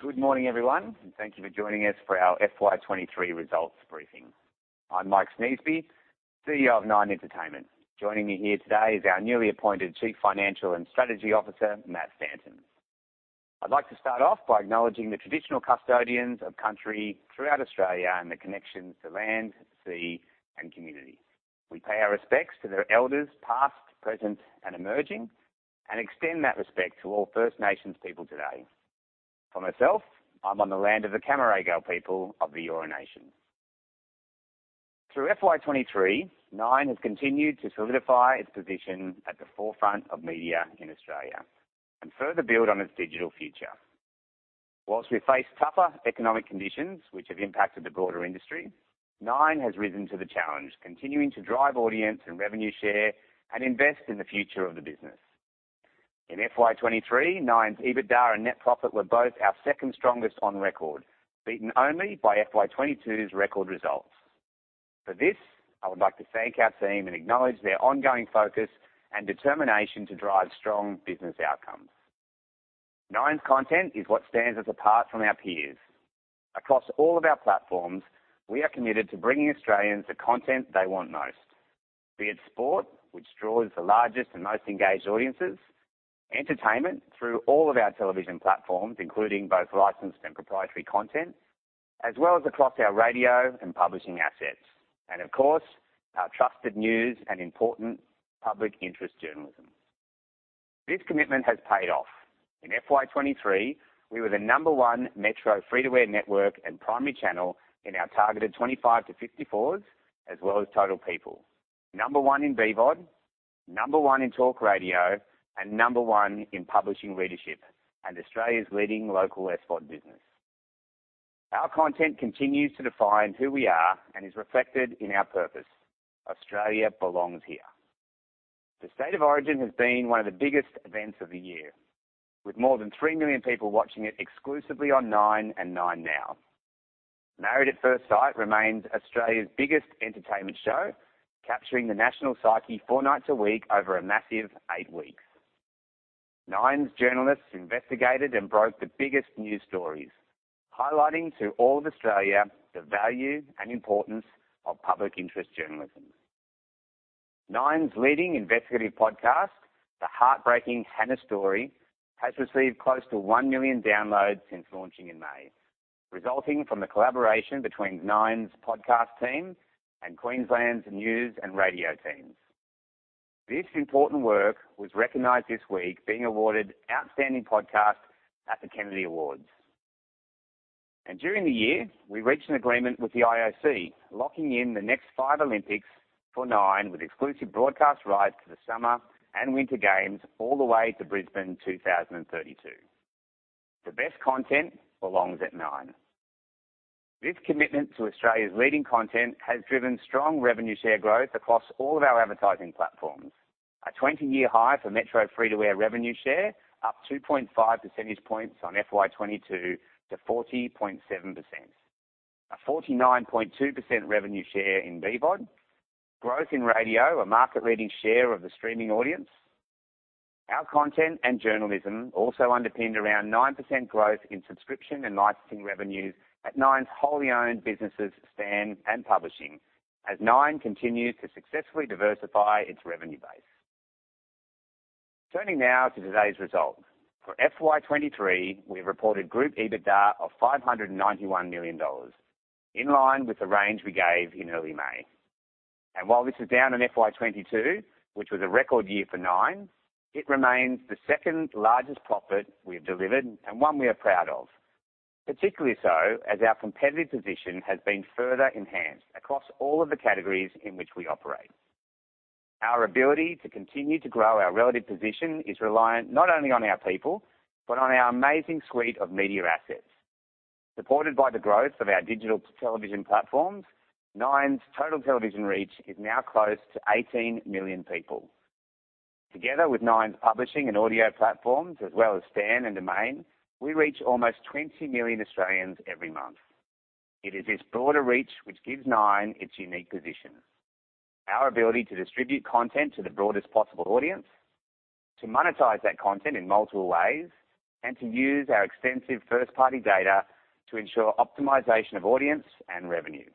Good morning, everyone, and thank you for joining us for our FY23 results briefing. I'm Mike Sneesby, CEO of Nine Entertainment. Joining me here today is our newly appointed Chief Financial and Strategy Officer, Matthew Stanton. I'd like to start off by acknowledging the traditional custodians of country throughout Australia and the connections to land, sea, and community. We pay our respects to their elders, past, present, and emerging, and extend that respect to all First Nations people today. For myself, I'm on the land of the Cammeraygal people of the Eora Nation. Through FY23, Nine has continued to solidify its position at the forefront of media in Australia and further build on its digital future. Whilst we face tougher economic conditions, which have impacted the broader industry, Nine has risen to the challenge, continuing to drive audience and revenue share, and invest in the future of the business. In FY23, Nine's EBITDA and net profit were both our second strongest on record, beaten only by FY22's record results. For this, I would like to thank our team and acknowledge their ongoing focus and determination to drive strong business outcomes. Nine's content is what stands us apart from our peers. Across all of our platforms, we are committed to bringing Australians the content they want most, be it sport, which draws the largest and most engaged audiences; entertainment through all of our television platforms, including both licensed and proprietary content, as well as across our radio and publishing assets; of course, our trusted news and important public interest journalism. This commitment has paid off. In FY23, we were the number 1 metro free-to-air network and primary channel in our targeted 25 to 54s, as well as total people. Number 1 in BVOD, number 1 in talk radio, and number 1 in publishing readership, and Australia's leading local SVOD business. Our content continues to define who we are and is reflected in our purpose: Australia belongs here. The State of Origin has been one of the biggest events of the year, with more than 3 million people watching it exclusively on Nine and 9Now. Married at First Sight remains Australia's biggest entertainment show, capturing the national psyche 4 nights a week over a massive 8 weeks. Nine's journalists investigated and broke the biggest news stories, highlighting to all of Australia the value and importance of public interest journalism. Nine's leading investigative podcast, Hannah's Story, has received close to 1 million downloads since launching in May, resulting from the collaboration between Nine's podcast team and Queensland's news and radio teams. This important work was recognized this week, being awarded Outstanding Podcast at the Kennedy Awards. During the year, we reached an agreement with the IOC, locking in the next 5 Olympics for Nine, with exclusive broadcast rights to the summer and winter games, all the way to Brisbane 2032. The best content belongs at Nine. This commitment to Australia's leading content has driven strong revenue share growth across all of our advertising platforms. A 20-year high for metro free-to-air revenue share, up 2.5 percentage points on FY22 to 40.7%. A 49.2% revenue share in BVOD. Growth in radio, a market-leading share of the streaming audience. Our content and journalism also underpinned around 9% growth in subscription and licensing revenues at Nine's wholly owned businesses, Stan and Nine Publishing, as Nine continues to successfully diversify its revenue base. Turning now to today's results. For FY23, we reported group EBITDA of 591 million dollars, in line with the range we gave in early May. While this is down on FY22, which was a record year for Nine, it remains the second-largest profit we have delivered and one we are proud of, particularly so as our competitive position has been further enhanced across all of the categories in which we operate. Our ability to continue to grow our relative position is reliant not only on our people, but on our amazing suite of media assets. Supported by the growth of our digital television platforms, Nine's total television reach is now close to 18 million people. Together with Nine's publishing and audio platforms, as well as Stan and Domain, we reach almost 20 million Australians every month. It is this broader reach which gives Nine its unique position. Our ability to distribute content to the broadest possible audience, to monetize that content in multiple ways, and to use our extensive first-party data to ensure optimization of audience and revenue.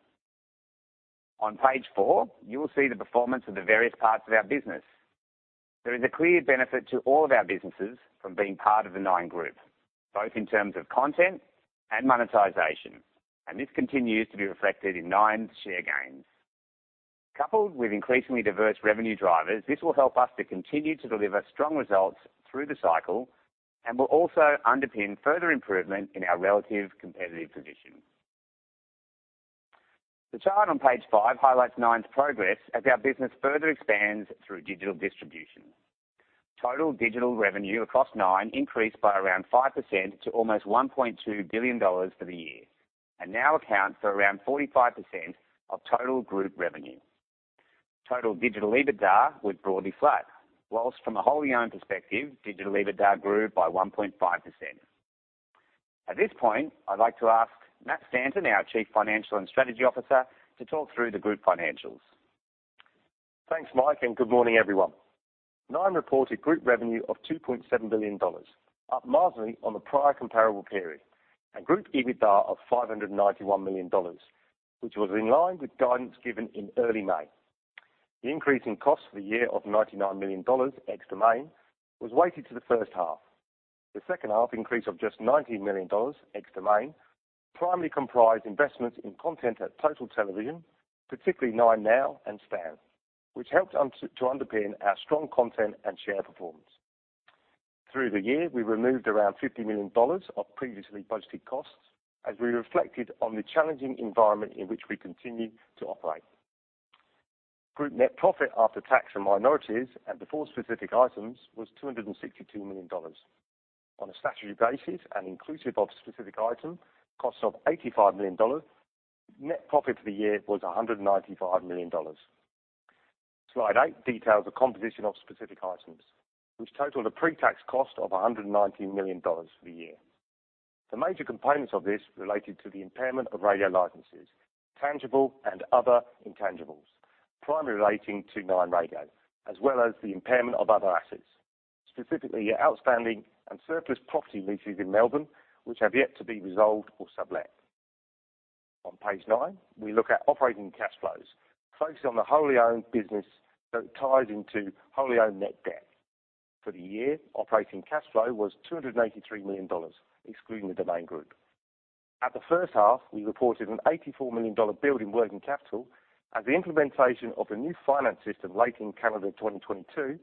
On page four, you will see the performance of the various parts of our business. There is a clear benefit to all of our businesses from being part of the Nine Group, both in terms of content and monetization, and this continues to be reflected in Nine's share gains. Coupled with increasingly diverse revenue drivers, this will help us to continue to deliver strong results through the cycle and will also underpin further improvement in our relative competitive position. The chart on page five highlights Nine's progress as our business further expands through digital distribution. Total digital revenue across Nine increased by around 5% to almost 1.2 billion dollars for the year, now accounts for around 45% of total group revenue. Total digital EBITDA was broadly flat, whilst from a wholly owned perspective, digital EBITDA grew by 1.5%. At this point, I'd like to ask Matthew Stanton, our Chief Financial and Strategy Officer, to talk through the group financials. Thanks, Mike, good morning, everyone. Nine reported group revenue of 2.7 billion dollars, up marginally on the prior comparable period, Group EBITDA of 591 million dollars, which was in line with guidance given in early May. The increase in cost for the year of AUD 99 million, ex Domain, was weighted to the first half. The second half increase of just AUD 90 million, ex Domain, primarily comprised investments in content at Total Television, particularly 9Now and Stan, which helped to underpin our strong content and share performance. Through the year, we removed around 50 million dollars of previously posted costs as we reflected on the challenging environment in which we continue to operate. Group net profit after tax and minorities and the four specific items was 262 million dollars. On a statutory basis and inclusive of specific item, costs of 85 million dollars, net profit for the year was 195 million dollars. Slide 8 details the composition of specific items, which totaled a pre-tax cost of 119 million dollars for the year. The major components of this related to the impairment of radio licenses, tangible and other intangibles, primarily relating to Nine Radio, as well as the impairment of other assets, specifically, outstanding and surplus property leases in Melbourne, which have yet to be resolved or sublet. On page 9, we look at operating cash flows, focusing on the wholly owned business that ties into wholly owned net debt. For the year, operating cash flow was 283 million dollars, excluding the Domain Group. At the first half, we reported an 84 million dollar build in working capital, as the implementation of the new finance system late in calendar 2022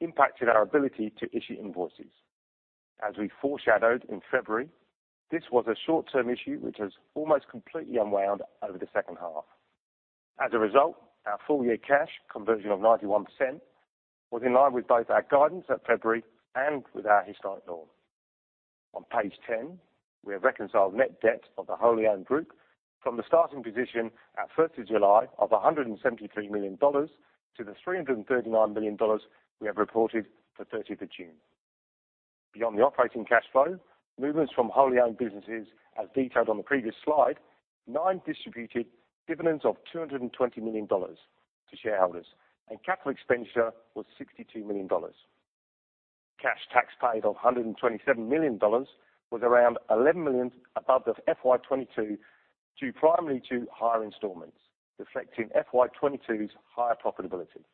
impacted our ability to issue invoices. We foreshadowed in February, this was a short-term issue, which has almost completely unwound over the second half. A result, our full-year cash conversion of 91% was in line with both our guidance at February and with our historic norm. On page 10, we have reconciled net debt of the wholly owned group from the starting position at 1st of July of 173 million dollars, to the 339 million dollars we have reported for 30th of June. Beyond the operating cash flow, movements from wholly owned businesses, as detailed on the previous slide, Nine distributed dividends of 220 million dollars to shareholders, capital expenditure was 62 million dollars. Cash tax paid of 127 million dollars, was around 11 million above the FY22, due primarily to higher installments, reflecting FY22's higher profitability.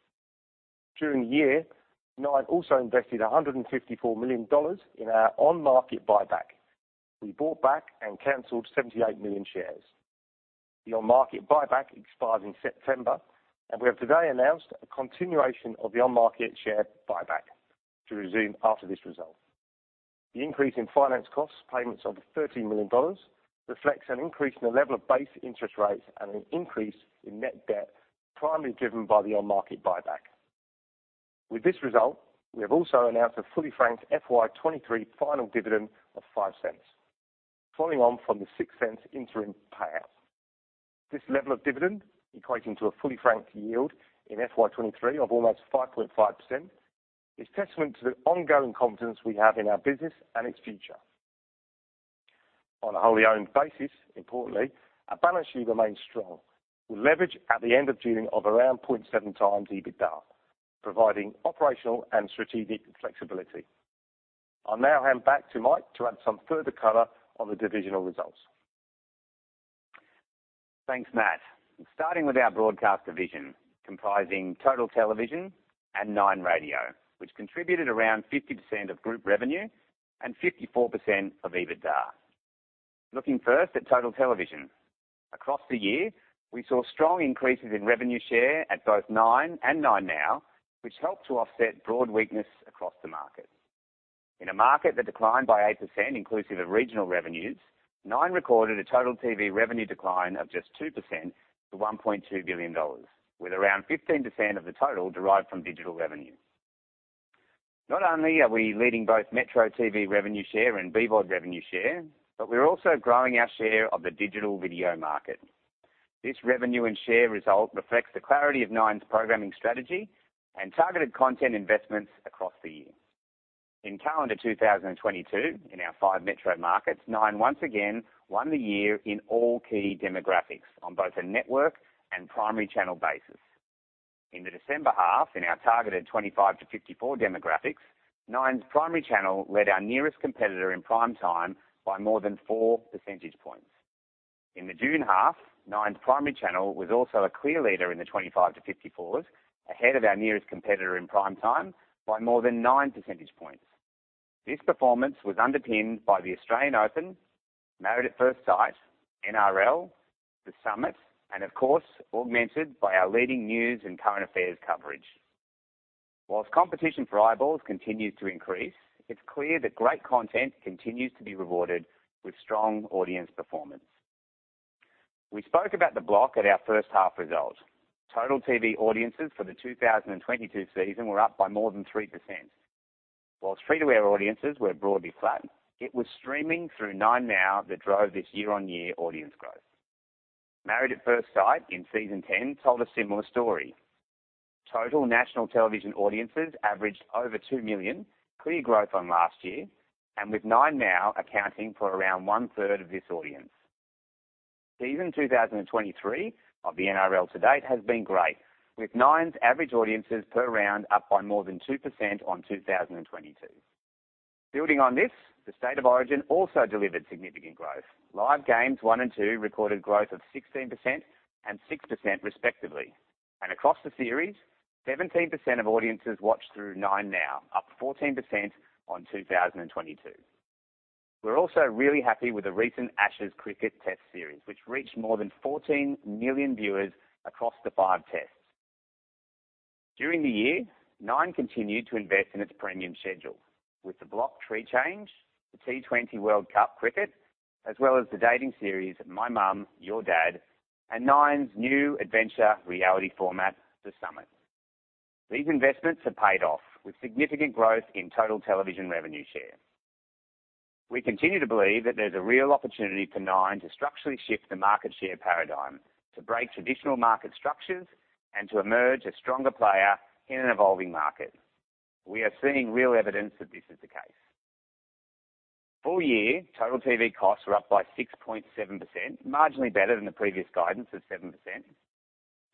During the year, Nine also invested 154 million dollars in our on-market buyback. We bought back and canceled 78 million shares. The on-market buyback expired in September, we have today announced a continuation of the on-market share buyback to resume after this result. The increase in finance costs, payments of 13 million dollars, reflects an increase in the level of base interest rates and an increase in net debt, primarily driven by the on-market buyback. With this result, we have also announced a fully franked FY23 final dividend of 0.05, following on from the 0.06 interim payout. This level of dividend, equating to a fully franked yield in FY23 of almost 5.5%, is testament to the ongoing confidence we have in our business and its future. On a wholly owned basis, importantly, our balance sheet remains strong, with leverage at the end of June of around 0.7x EBITDA, providing operational and strategic flexibility. I'll now hand back to Mike to add some further color on the divisional results. Thanks, Matt. Starting with our broadcast division, comprising Total Television and Nine Radio, which contributed around 50% of group revenue and 54% of EBITDA. Looking first at Total Television. Across the year, we saw strong increases in revenue share at both Nine and 9Now, which helped to offset broad weakness across the market. In a market that declined by 8%, inclusive of regional revenues, Nine recorded a total TV revenue decline of just 2% to 1.2 billion dollars, with around 15% of the total derived from digital revenue. Not only are we leading both metro TV revenue share and BVOD revenue share, but we're also growing our share of the digital video market. This revenue and share result reflects the clarity of Nine's programming strategy and targeted content investments across the year. In calendar 2022, in our 5 metro markets, Nine once again won the year in all key demographics on both a network and primary channel basis. In the December half, in our targeted 25 to 54 demographics, Nine's primary channel led our nearest competitor in prime time by more than 4 percentage points. In the June half, Nine's primary channel was also a clear leader in the 25 to 54s, ahead of our nearest competitor in prime time by more than 9 percentage points. This performance was underpinned by the Australian Open, Married at First Sight, NRL, The Summit, and of course, augmented by our leading news and current affairs coverage. Whilst competition for eyeballs continues to increase, it's clear that great content continues to be rewarded with strong audience performance. We spoke about The Block at our first half results. Total TV audiences for the 2022 season were up by more than 3%. Whilst 3-tier audiences were broadly flat, it was streaming through 9Now that drove this year-on-year audience growth. Married at First Sight, in season 10, told a similar story. Total national television audiences averaged over 2 million, clear growth on last year, and with 9Now accounting for around one third of this audience. Season 2023 of the NRL to date has been great, with Nine's average audiences per round up by more than 2% on 2022. Building on this, the State of Origin also delivered significant growth. Live games 1 and 2 recorded growth of 16% and 6% respectively, and across the series, 17% of audiences watched through 9Now, up 14% on 2022. We're also really happy with the recent Ashes Cricket Test series, which reached more than 14 million viewers across the 5 tests. During the year, Nine continued to invest in its premium schedule with The Block: Tree Change, the T20 World Cup Cricket, as well as the dating series, My Mum, Your Dad, and Nine's new adventure reality format, The Summit. These investments have paid off with significant growth in Total Television revenue share. We continue to believe that there's a real opportunity for Nine to structurally shift the market share paradigm, to break traditional market structures, and to emerge a stronger player in an evolving market. We are seeing real evidence that this is the case. Full year, Total TV costs were up by 6.7%, marginally better than the previous guidance of 7%.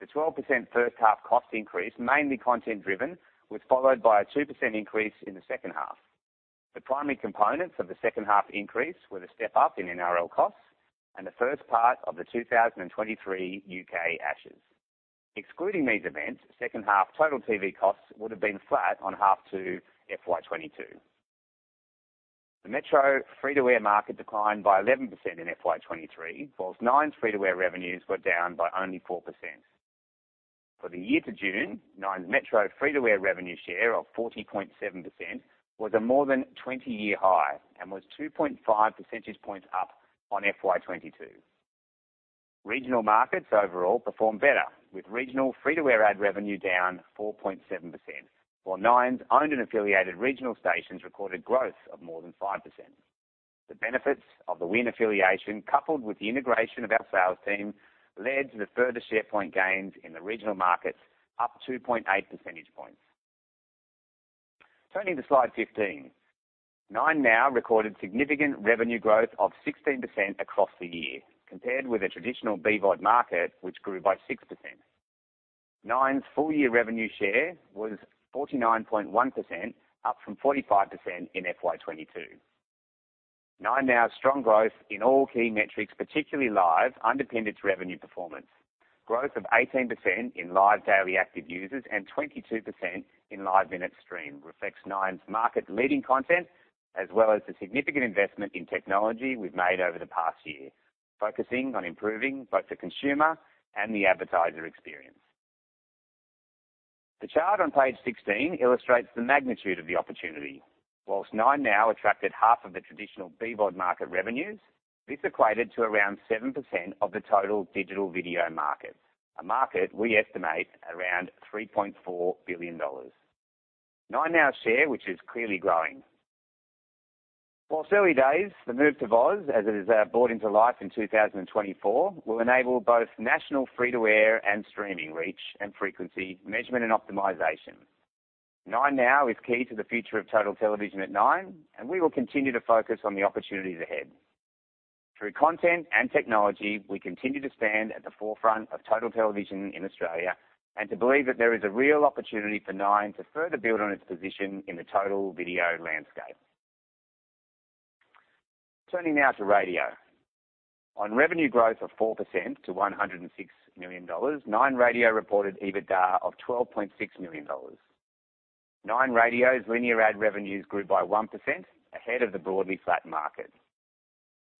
The 12% first half cost increase, mainly content-driven, was followed by a 2% increase in the second half. The primary components of the second half increase were the step up in NRL costs and the first part of the 2023 UK Ashes. Excluding these events, second half Total TV costs would have been flat on half to FY22. The metro free-to-air market declined by 11% in FY23, whilst Nine's free-to-air revenues were down by only 4%. For the year to June, Nine's metro free-to-air revenue share of 40.7% was a more than 20-year high and was 2.5 percentage points up on FY22. Regional markets overall performed better, with regional free-to-air ad revenue down 4.7%, while Nine's owned and affiliated regional stations recorded growth of more than 5%. The benefits of the win affiliation, coupled with the integration of our sales team, led to the further share point gains in the regional markets, up 2.8 percentage points. Turning to slide 15. 9Now recorded significant revenue growth of 16% across the year, compared with a traditional BVOD market, which grew by 6%. Nine's full-year revenue share was 49.1%, up from 45% in FY22. 9Now strong growth in all key metrics, particularly live, underpinned its revenue performance. Growth of 18% in live daily active users and 22% in live minute stream, reflects Nine's market-leading content, as well as the significant investment in technology we've made over the past year, focusing on improving both the consumer and the advertiser experience. The chart on page 16 illustrates the magnitude of the opportunity. Whilst 9Now attracted half of the traditional BVOD market revenues, this equated to around 7% of the total digital video market, a market we estimate around 3.4 billion dollars. 9Now share, which is clearly growing. Whilst early days, the move to VOZ, as it is, brought into life in 2024, will enable both national free-to-air and streaming reach and frequency, measurement, and optimization. 9Now is key to the future of Total Television at Nine, and we will continue to focus on the opportunities ahead. Through content and technology, we continue to stand at the forefront of Total Television in Australia, and to believe that there is a real opportunity for Nine to further build on its position in the total video landscape. Turning now to radio. On revenue growth of 4% to 106 million dollars, Nine Radio reported EBITDA of 12.6 million dollars. Nine Radio's linear ad revenues grew by 1%, ahead of the broadly flat market.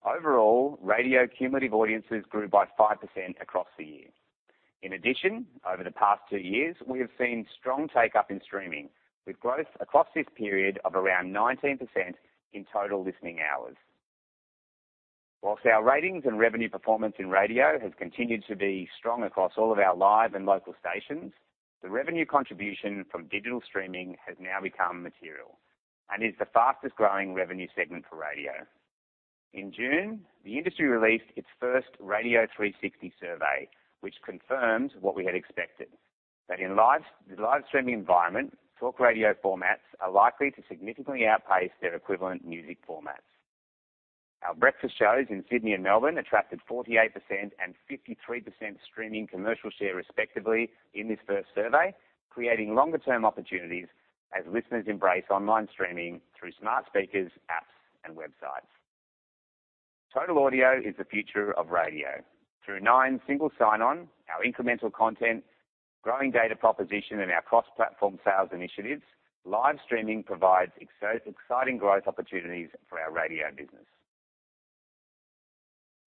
Overall, radio cumulative audiences grew by 5% across the year. In addition, over the past 2 years, we have seen strong take-up in streaming, with growth across this period of around 19% in total listening hours. Whilst our ratings and revenue performance in radio has continued to be strong across all of our live and local stations, the revenue contribution from digital streaming has now become material and is the fastest-growing revenue segment for radio. In June, the industry released its first Radio 360 survey, which confirms what we had expected, that in live streaming environment, talk radio formats are likely to significantly outpace their equivalent music formats. Our breakfast shows in Sydney and Melbourne attracted 48% and 53% streaming commercial share, respectively, in this first survey, creating longer-term opportunities as listeners embrace online streaming through smart speakers, apps, and websites. Total audio is the future of radio. Through Nine's single sign-on, our incremental content, growing data proposition, and our cross-platform sales initiatives, live streaming provides exciting growth opportunities for our radio business.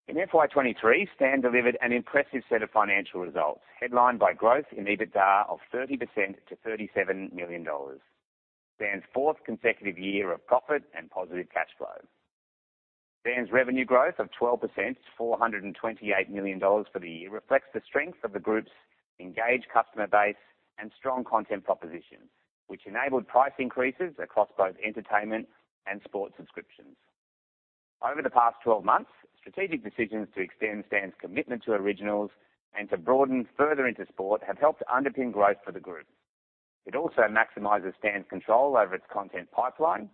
In FY23, Stan delivered an impressive set of financial results, headlined by growth in EBITDA of 30% to 37 million dollars. Stan's fourth consecutive year of profit and positive cash flow. Stan's revenue growth of 12% to 428 million dollars for the year reflects the strength of the group's engaged customer base and strong content proposition, which enabled price increases across both entertainment and sport subscriptions. Over the past 12 months, strategic decisions to extend Stan's commitment to originals and to broaden further into sport have helped to underpin growth for the group. It also maximizes Stan's control over its content pipeline,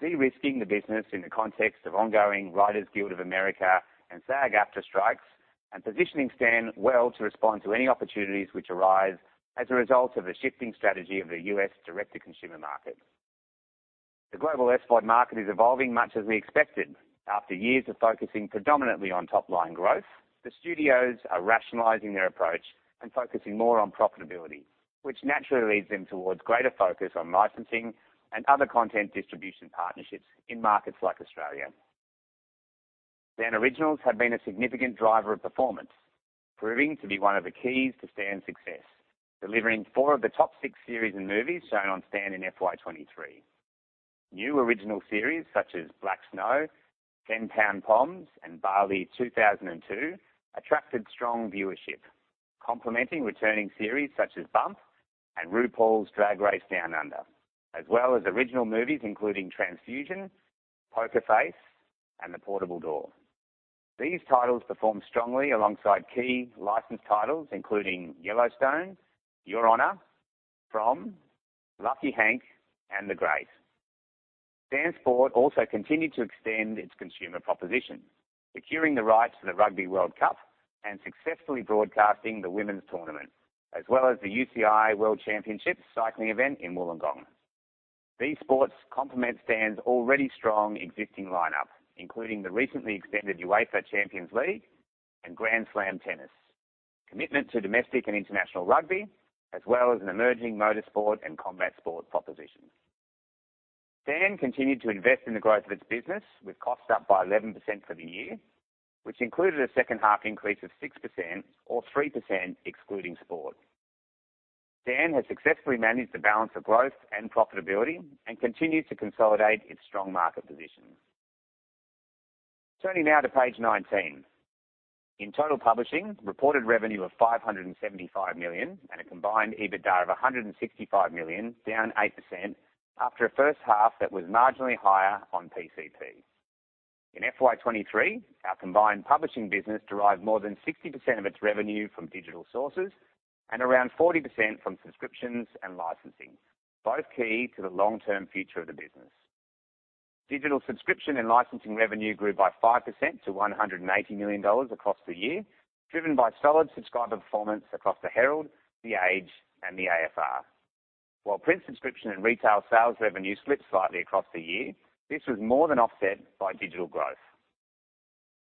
de-risking the business in the context of ongoing Writers Guild of America and SAG-AFTRA strikes, and positioning Stan well to respond to any opportunities which arise as a result of the shifting strategy of the U.S. direct-to-consumer market. The global SVOD market is evolving much as we expected. After years of focusing predominantly on top-line growth, the studios are rationalizing their approach and focusing more on profitability, which naturally leads them towards greater focus on licensing and other content distribution partnerships in markets like Australia. Stan Originals have been a significant driver of performance, proving to be one of the keys to Stan's success, delivering four of the top six series and movies shown on Stan in FY23. New original series such as Black Snow, Ten Pound Poms, and Bali 2002, attracted strong viewership, complementing returning series such as Bump and RuPaul's Drag Race Down Under, as well as original movies including Transfusion, Poker Face, and The Portable Door. These titles performed strongly alongside key licensed titles including Yellowstone, Your Honor, From, Lucky Hank, and The Great. Stan Sport also continued to extend its consumer proposition, securing the rights to the Rugby World Cup and successfully broadcasting the women's tournament, as well as the UCI World Championships cycling event in Wollongong. These sports complement Stan's already strong existing lineup, including the recently extended UEFA Champions League and Grand Slam Tennis, commitment to domestic and international rugby, as well as an emerging motorsport and combat sport proposition. Stan continued to invest in the growth of its business, with costs up by 11% for the year, which included a second half increase of 6% or 3%, excluding sport. Stan has successfully managed the balance of growth and profitability and continues to consolidate its strong market position. Turning now to page 19. In total publishing, reported revenue of 575 million, and a combined EBITDA of 165 million, down 8% after a first half that was marginally higher on PCP. In FY23, our combined publishing business derived more than 60% of its revenue from digital sources and around 40% from subscriptions and licensing, both key to the long-term future of the business. Digital subscription and licensing revenue grew by 5% to 180 million dollars across the year, driven by solid subscriber performance across The Herald, The Age, and the AFR. While print, subscription, and retail sales revenue slipped slightly across the year, this was more than offset by digital growth.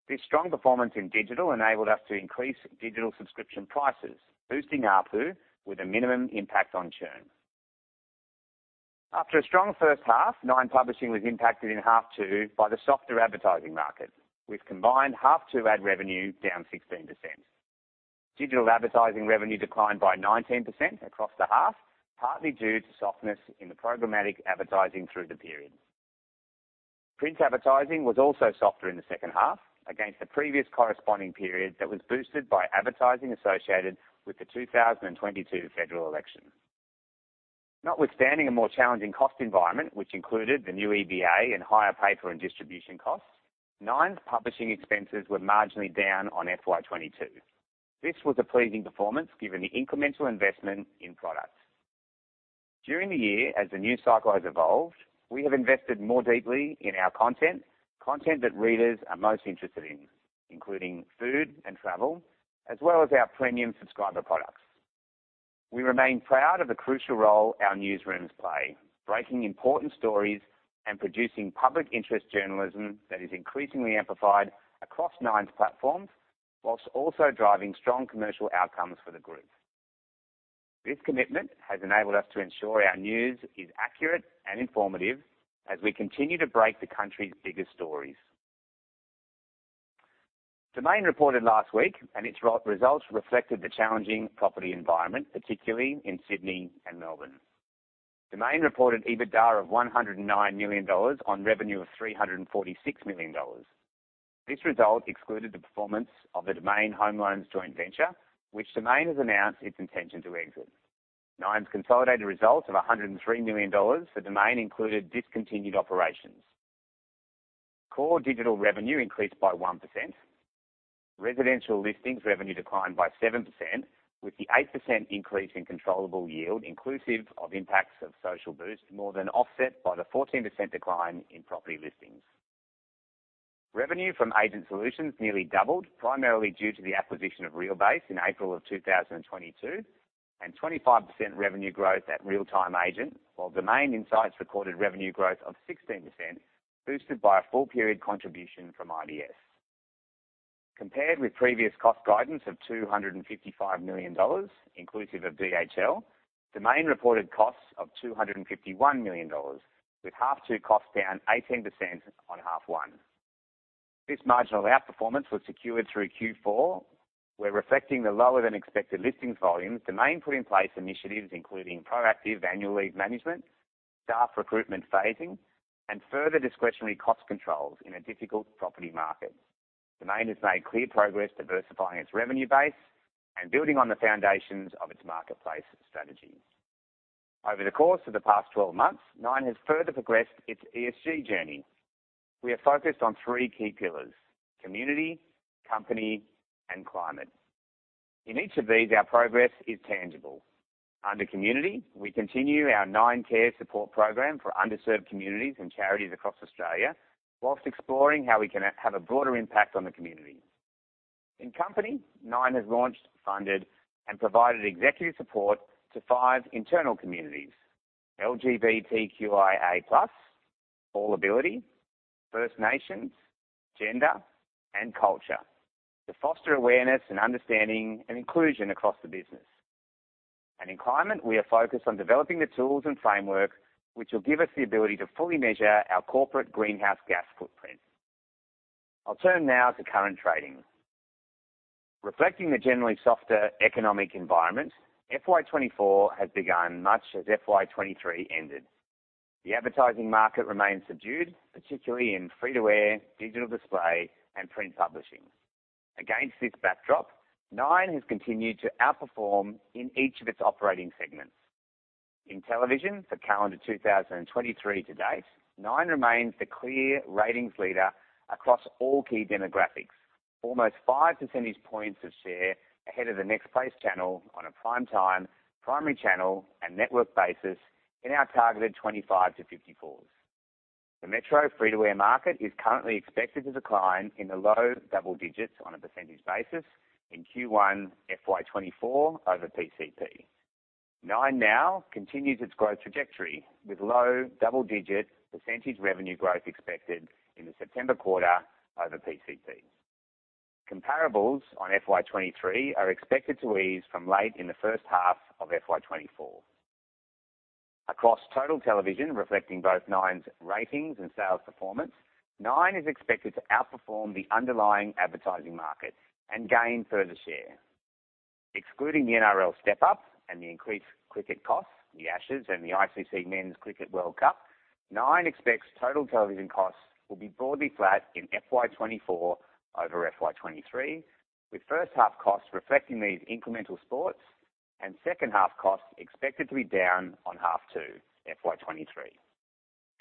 This strong performance in digital enabled us to increase digital subscription prices, boosting ARPU with a minimum impact on churn. After a strong first half, Nine Publishing was impacted in half two by the softer advertising market, with combined half two ad revenue down 16%. Digital advertising revenue declined by 19% across the half, partly due to softness in the programmatic advertising through the period. Print advertising was also softer in the second half against the previous corresponding period that was boosted by advertising associated with the 2022 federal election. Notwithstanding a more challenging cost environment, which included the new EBA and higher paper and distribution costs, Nine's publishing expenses were marginally down on FY22. This was a pleasing performance given the incremental investment in products. During the year, as the news cycle has evolved, we have invested more deeply in our content, content that readers are most interested in, including food and travel, as well as our premium subscriber products. We remain proud of the crucial role our newsrooms play, breaking important stories and producing public interest journalism that is increasingly amplified across Nine's platforms, whilst also driving strong commercial outcomes for the group. This commitment has enabled us to ensure our news is accurate and informative as we continue to break the country's biggest stories. Domain reported last week. Its re-results reflected the challenging property environment, particularly in Sydney and Melbourne. Domain reported EBITDA of 109 million dollars on revenue of 346 million dollars. This result excluded the performance of the Domain Home Loans joint venture, which Domain has announced its intention to exit. Nine's consolidated results of 103 million dollars for Domain included discontinued operations. Core digital revenue increased by 1%. Residential listings revenue declined by 7%, with the 8% increase in controllable yield, inclusive of impacts of Social Boost, more than offset by the 14% decline in property listings. Revenue from agent solutions nearly doubled, primarily due to the acquisition of Realbase in April of 2022, and 25% revenue growth at Real Time Agent, while Domain Insight recorded revenue growth of 16%, boosted by a full period contribution from IBS. Compared with previous cost guidance of 255 million dollars, inclusive of DHL, Domain reported costs of 251 million dollars, with half 2 costs down 18% on half 1. This marginal outperformance was secured through Q4, where, reflecting the lower-than-expected listings volumes, Domain put in place initiatives including proactive annual leave management, staff recruitment phasing, and further discretionary cost controls in a difficult property market. Domain has made clear progress diversifying its revenue base and building on the foundations of its marketplace strategy. Over the course of the past 12 months, Nine has further progressed its ESG journey. We are focused on 3 key pillars: community, company, and climate. In each of these, our progress is tangible. Under community, we continue our Nine Cares support program for underserved communities and charities across Australia, while exploring how we can have a broader impact on the community. In company, Nine has launched, funded, and provided executive support to 5 internal communities: LGBTQIA+, All Ability, First Nations, Gender, and Culture, to foster awareness and understanding and inclusion across the business. In climate, we are focused on developing the tools and framework, which will give us the ability to fully measure our corporate greenhouse gas footprint. I'll turn now to current trading. Reflecting the generally softer economic environment, FY24 has begun much as FY23 ended. The advertising market remains subdued, particularly in free-to-air, digital display, and print publishing. Against this backdrop, Nine has continued to outperform in each of its operating segments. In television, for calendar 2023 to date, Nine remains the clear ratings leader across all key demographics, almost 5 percentage points of share ahead of the next place channel on a prime-time, primary channel, and network basis in our targeted 25 to 54s. The metro free-to-air market is currently expected to decline in the low double digits on a percentage basis in Q1 FY24 over PCP. 9Now continues its growth trajectory with low double-digit percentage revenue growth expected in the September quarter over PCP. Comparables on FY23 are expected to ease from late in the first half of FY24. Across Total Television, reflecting both Nine's ratings and sales performance, Nine is expected to outperform the underlying advertising market and gain further share. Excluding the NRL step-up and the increased cricket costs, The Ashes, and the ICC Men's Cricket World Cup, Nine expects Total Television costs will be broadly flat in FY24 over FY23, with first half costs reflecting these incremental sports, and second-half costs expected to be down on half 2, FY23.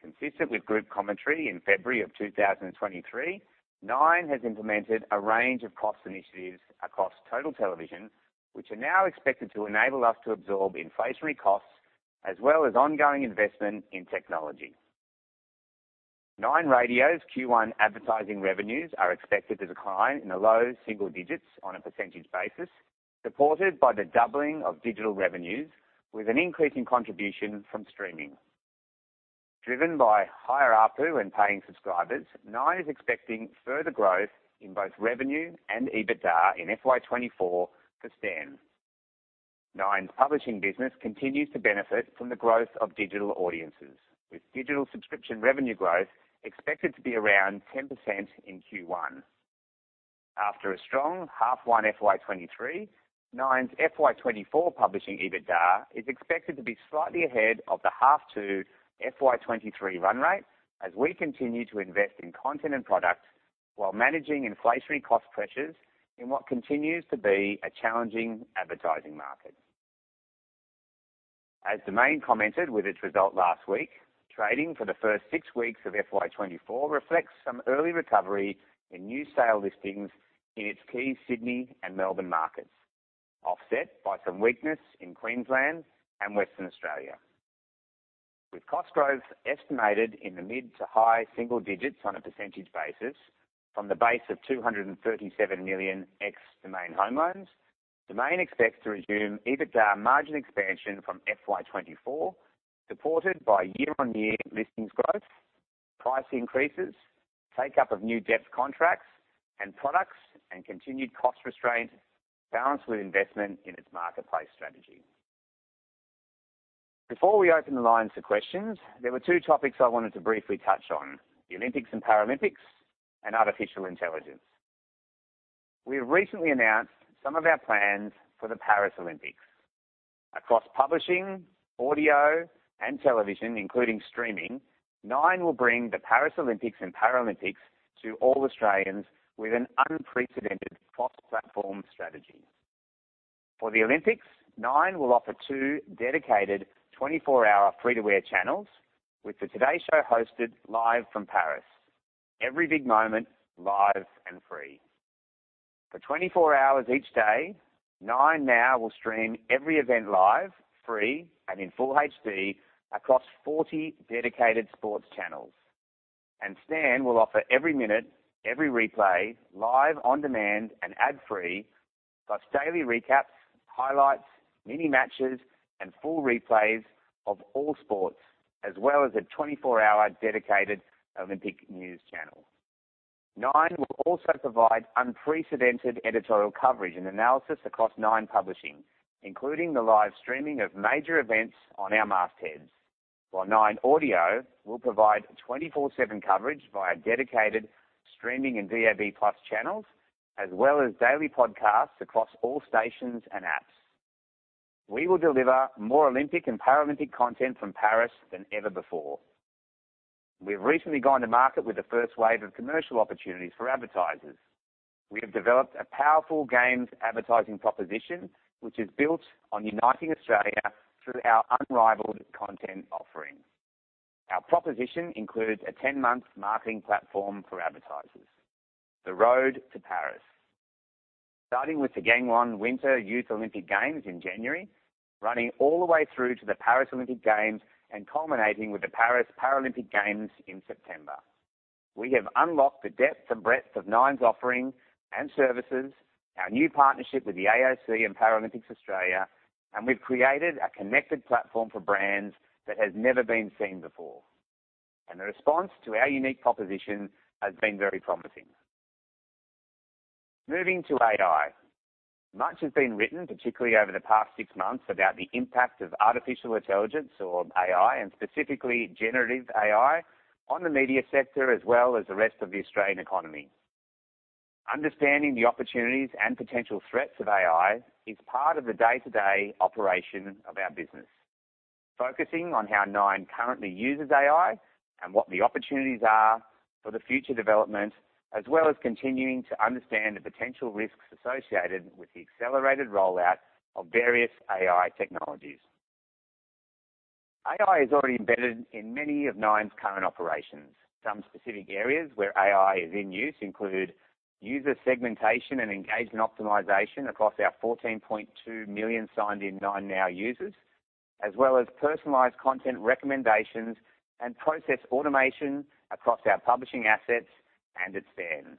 Consistent with group commentary in February 2023, Nine has implemented a range of cost initiatives across Total Television, which are now expected to enable us to absorb inflationary costs as well as ongoing investment in technology. Nine Radio's Q1 advertising revenues are expected to decline in the low single digits on a % basis, supported by the doubling of digital revenues with an increase in contribution from streaming. Driven by higher ARPU and paying subscribers, Nine is expecting further growth in both revenue and EBITDA in FY2024 for Stan. Nine's publishing business continues to benefit from the growth of digital audiences, with digital subscription revenue growth expected to be around 10% in Q1. After a strong half 1 FY2023, Nine's FY2024 publishing EBITDA is expected to be slightly ahead of the half 2 FY2023 run rate as we continue to invest in content and product while managing inflationary cost pressures in what continues to be a challenging advertising market. As Domain commented with its result last week, trading for the first six weeks of FY2024 reflects some early recovery in new sale listings in its key Sydney and Melbourne markets, offset by some weakness in Queensland and Western Australia. With cost growth estimated in the mid to high single digits on a percentage basis from the base of 237 million ex-Domain Home Loans, Domain expects to resume EBITDA margin expansion from FY24, supported by year-on-year listings growth, price increases, take up of new depth contracts and products, and continued cost restraint, balanced with investment in its marketplace strategy. Before we open the lines to questions, there were 2 topics I wanted to briefly touch on: the Olympics and Paralympics, and artificial intelligence. We have recently announced some of our plans for the Paris Olympics. Across publishing, audio, and television, including streaming, Nine will bring the Paris Olympics and Paralympics to all Australians with an unprecedented cross-platform strategy. For the Olympics, Nine will offer 2 dedicated 24-hour free-to-air channels, with the Today Show hosted live from Paris. Every big moment, live and free. For 24 hours each day, 9Now will stream every event live, free, and in full HD across 40 dedicated sports channels. Stan will offer every minute, every replay, live, on-demand, and ad-free, plus daily recaps, highlights, mini matches, and full replays of all sports, as well as a 24-hour dedicated Olympic news channel. Nine will also provide unprecedented editorial coverage and analysis across Nine Publishing, including the live streaming of major events on our mastheads. Nine Audio will provide 24/7 coverage via dedicated streaming and DAB+ channels, as well as daily podcasts across all stations and apps. We will deliver more Olympic and Paralympic content from Paris than ever before. We've recently gone to market with the first wave of commercial opportunities for advertisers. We have developed a powerful games advertising proposition, which is built on uniting Australia through our unrivaled content offering. Our proposition includes a ten-month marketing platform for advertisers, The Road to Paris. Starting with the Gangwon Winter Youth Olympic Games in January, running all the way through to the Paris Olympic Games, and culminating with the Paris Paralympic Games in September. We have unlocked the depth and breadth of Nine's offerings and services, our new partnership with the AOC and Paralympics Australia, and we've created a connected platform for brands that has never been seen before, and the response to our unique proposition has been very promising. Moving to AI. Much has been written, particularly over the past six months, about the impact of artificial intelligence, or AI, and specifically generative AI, on the media sector, as well as the rest of the Australian economy. Understanding the opportunities and potential threats of AI is part of the day-to-day operation of our business. Focusing on how Nine currently uses AI and what the opportunities are for the future development, as well as continuing to understand the potential risks associated with the accelerated rollout of various AI technologies. AI is already embedded in many of Nine's current operations. Some specific areas where AI is in use include user segmentation and engagement optimization across our 14.2 million signed-in 9Now users, as well as personalized content recommendations and process automation across our publishing assets and at Stan.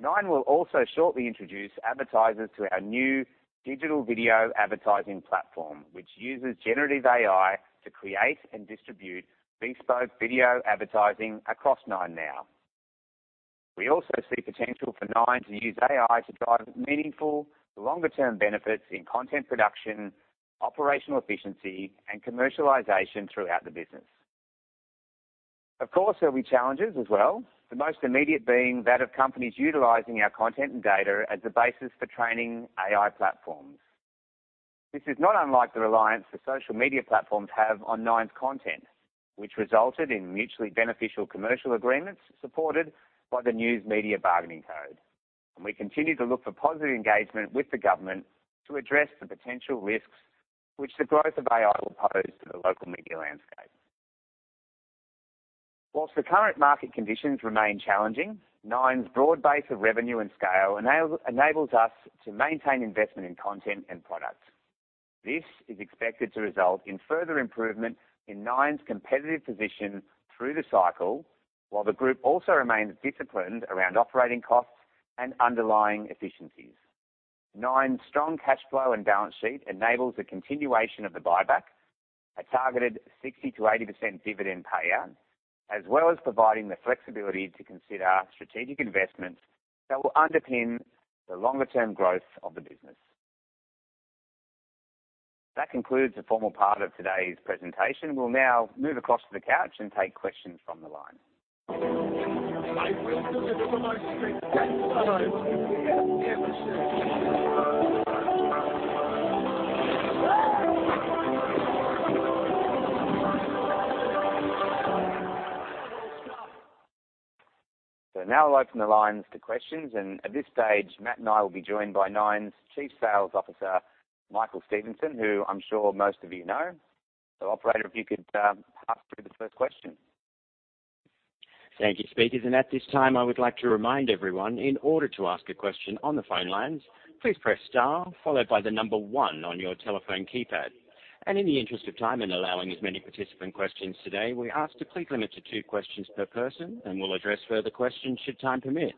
Nine will also shortly introduce advertisers to our new digital video advertising platform, which uses generative AI to create and distribute bespoke video advertising across 9Now. We also see potential for Nine to use AI to drive meaningful, longer-term benefits in content production, operational efficiency, and commercialization throughout the business. Of course, there'll be challenges as well, the most immediate being that of companies utilizing our content and data as the basis for training AI platforms. This is not unlike the reliance that social media platforms have on Nine's content, which resulted in mutually beneficial commercial agreements supported by the News Media Bargaining Code. We continue to look for positive engagement with the government to address the potential risks which the growth of AI will pose to the local media landscape. While the current market conditions remain challenging, Nine's broad base of revenue and scale enables us to maintain investment in content and products. This is expected to result in further improvement in Nine's competitive position through the cycle, while the group also remains disciplined around operating costs and underlying efficiencies. Nine's strong cash flow and balance sheet enables the continuation of the buyback, a targeted 60%-80% dividend payout, as well as providing the flexibility to consider strategic investments that will underpin the longer-term growth of the business. That concludes the formal part of today's presentation. We'll now move across to the couch and take questions from the line. Now I'll open the lines to questions, and at this stage, Matt and I will be joined by Nine's Chief Sales Officer, Michael Stephenson, who I'm sure most of you know. Operator, if you could pass through the first question. Thank you, speakers. At this time, I would like to remind everyone, in order to ask a question on the phone lines, please press star followed by the number 1 on your telephone keypad. In the interest of time in allowing as many participant questions today, we ask to please limit to 2 questions per person, and we'll address further questions should time permit.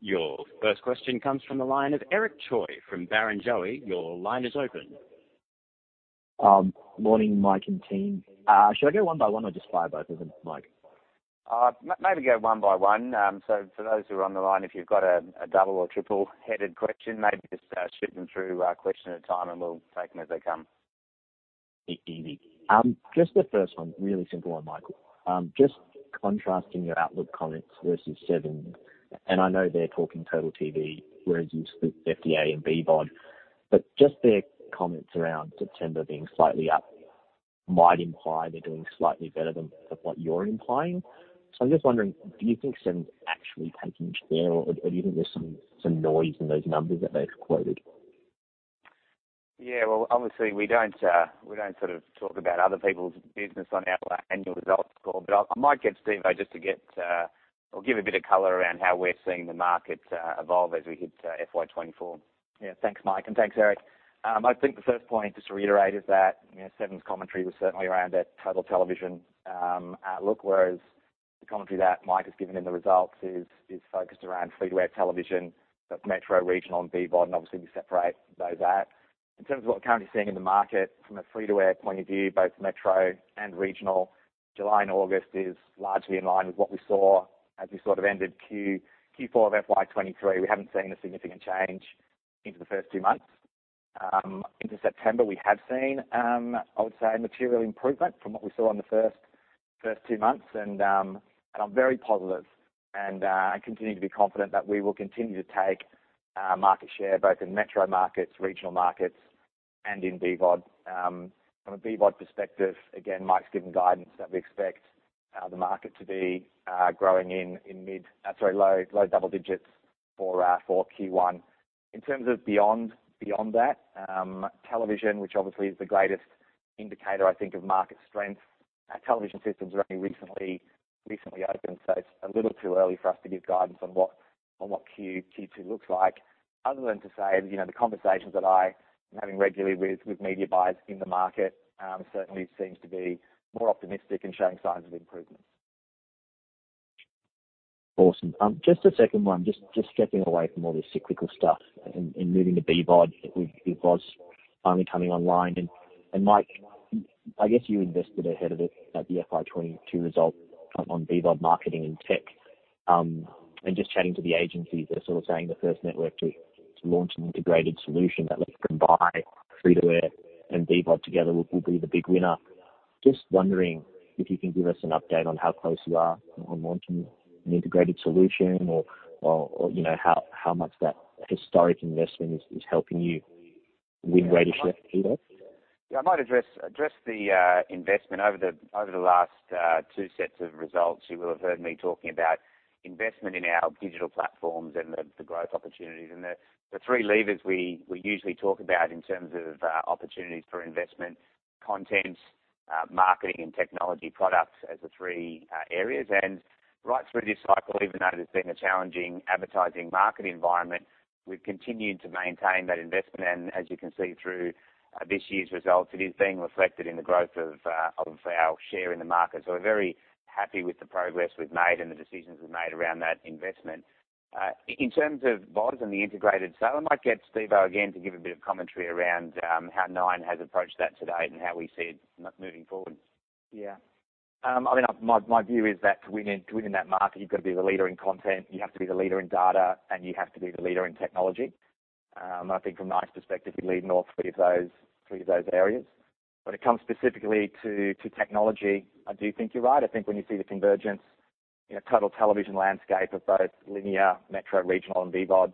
Your first question comes from the line of Eric Choi from Barrenjoey. Your line is open. Morning, Mike and team. Should I go one by one or just fire both of them, Mike? Maybe go one by one. For those who are on the line, if you've got a double or triple-headed question, maybe just shoot them through, question at a time, and we'll take them as they come. Easy. just the first one, really simple one, Michael. just contrasting your outlook comments versus Seven. I know they're talking Total TV, whereas you speak SVOD and BVOD, but just their comments around September being slightly up might imply they're doing slightly better than what you're implying. I'm just wondering, do you think Seven's actually taking share, or do you think there's some, some noise in those numbers that they've quoted? Yeah, well, obviously, we don't, we don't sort of talk about other people's business on our annual results call. I might get Steve just to get or give a bit of color around how we're seeing the market evolve as we hit FY24. Thanks, Mike, and thanks, Eric. I think the first point, just to reiterate, is that, you know, Seven's commentary was certainly around their Total Television outlook, whereas the commentary that Mike has given in the results is focused around free-to-air television, both metro, regional, and BVOD, and obviously, we separate those out. In terms of what we're currently seeing in the market from a free-to-air point of view, both metro and regional, July and August is largely in line with what we saw as we sort of ended Q4 of FY23. We haven't seen a significant change into the first two months. into September, we have seen, I would say, a material improvement from what we saw in the first 2 months. I'm very positive and continue to be confident that we will continue to take market share both in metro markets, regional markets, and in BVOD. From a BVOD perspective, again, Mike's given guidance that we expect the market to be growing in low double digits for Q1. In terms of beyond that, television, which obviously is the greatest indicator, I think, of market strength. Our television systems are only recently, recently opened, so it's a little too early for us to give guidance on what, on what Q2, Q2 looks like, other than to say, you know, the conversations that I am having regularly with, with media buyers in the market, certainly seems to be more optimistic and showing signs of improvement. Awesome. Just a second one. Just stepping away from all this cyclical stuff and moving to BVOD, with VOD finally coming online. Mike, I guess you invested ahead of it at the FY22 result on BVOD marketing and tech. Just chatting to the agencies, they're sort of saying the first network to launch an integrated solution that lets them buy free-to-air and BVOD together will be the big winner. Just wondering if you can give us an update on how close you are on launching an integrated solution or, you know, how much that historic investment is helping you win rate of share with BVOD? Yeah, I might address, address the, investment. Over the, over the last, 2 sets of results, you will have heard me talking about investment in our digital platforms and the, the growth opportunities. The, the 3 levers we, we usually talk about in terms of, opportunities for investment: content, marketing, and technology products as the 3, areas. Right through this cycle, even though there's been a challenging advertising market environment, we've continued to maintain that investment. As you can see through, this year's results, it is being reflected in the growth of, of our share in the market. We're very happy with the progress we've made and the decisions we've made around that investment. In terms of VOD and the integrated sale, I might get Steve again to give a bit of commentary around how Nine has approached that to date and how we see it moving forward. Yeah. I mean, my, my view is that to win in, to win in that market, you've got to be the leader in content, you have to be the leader in data, and you have to be the leader in technology. I think from Nine's perspective, we lead all three of those, three of those areas. When it comes specifically to, to technology, I do think you're right. I think when you see the convergence in a Total Television landscape of both linear, metro, regional, and BVOD,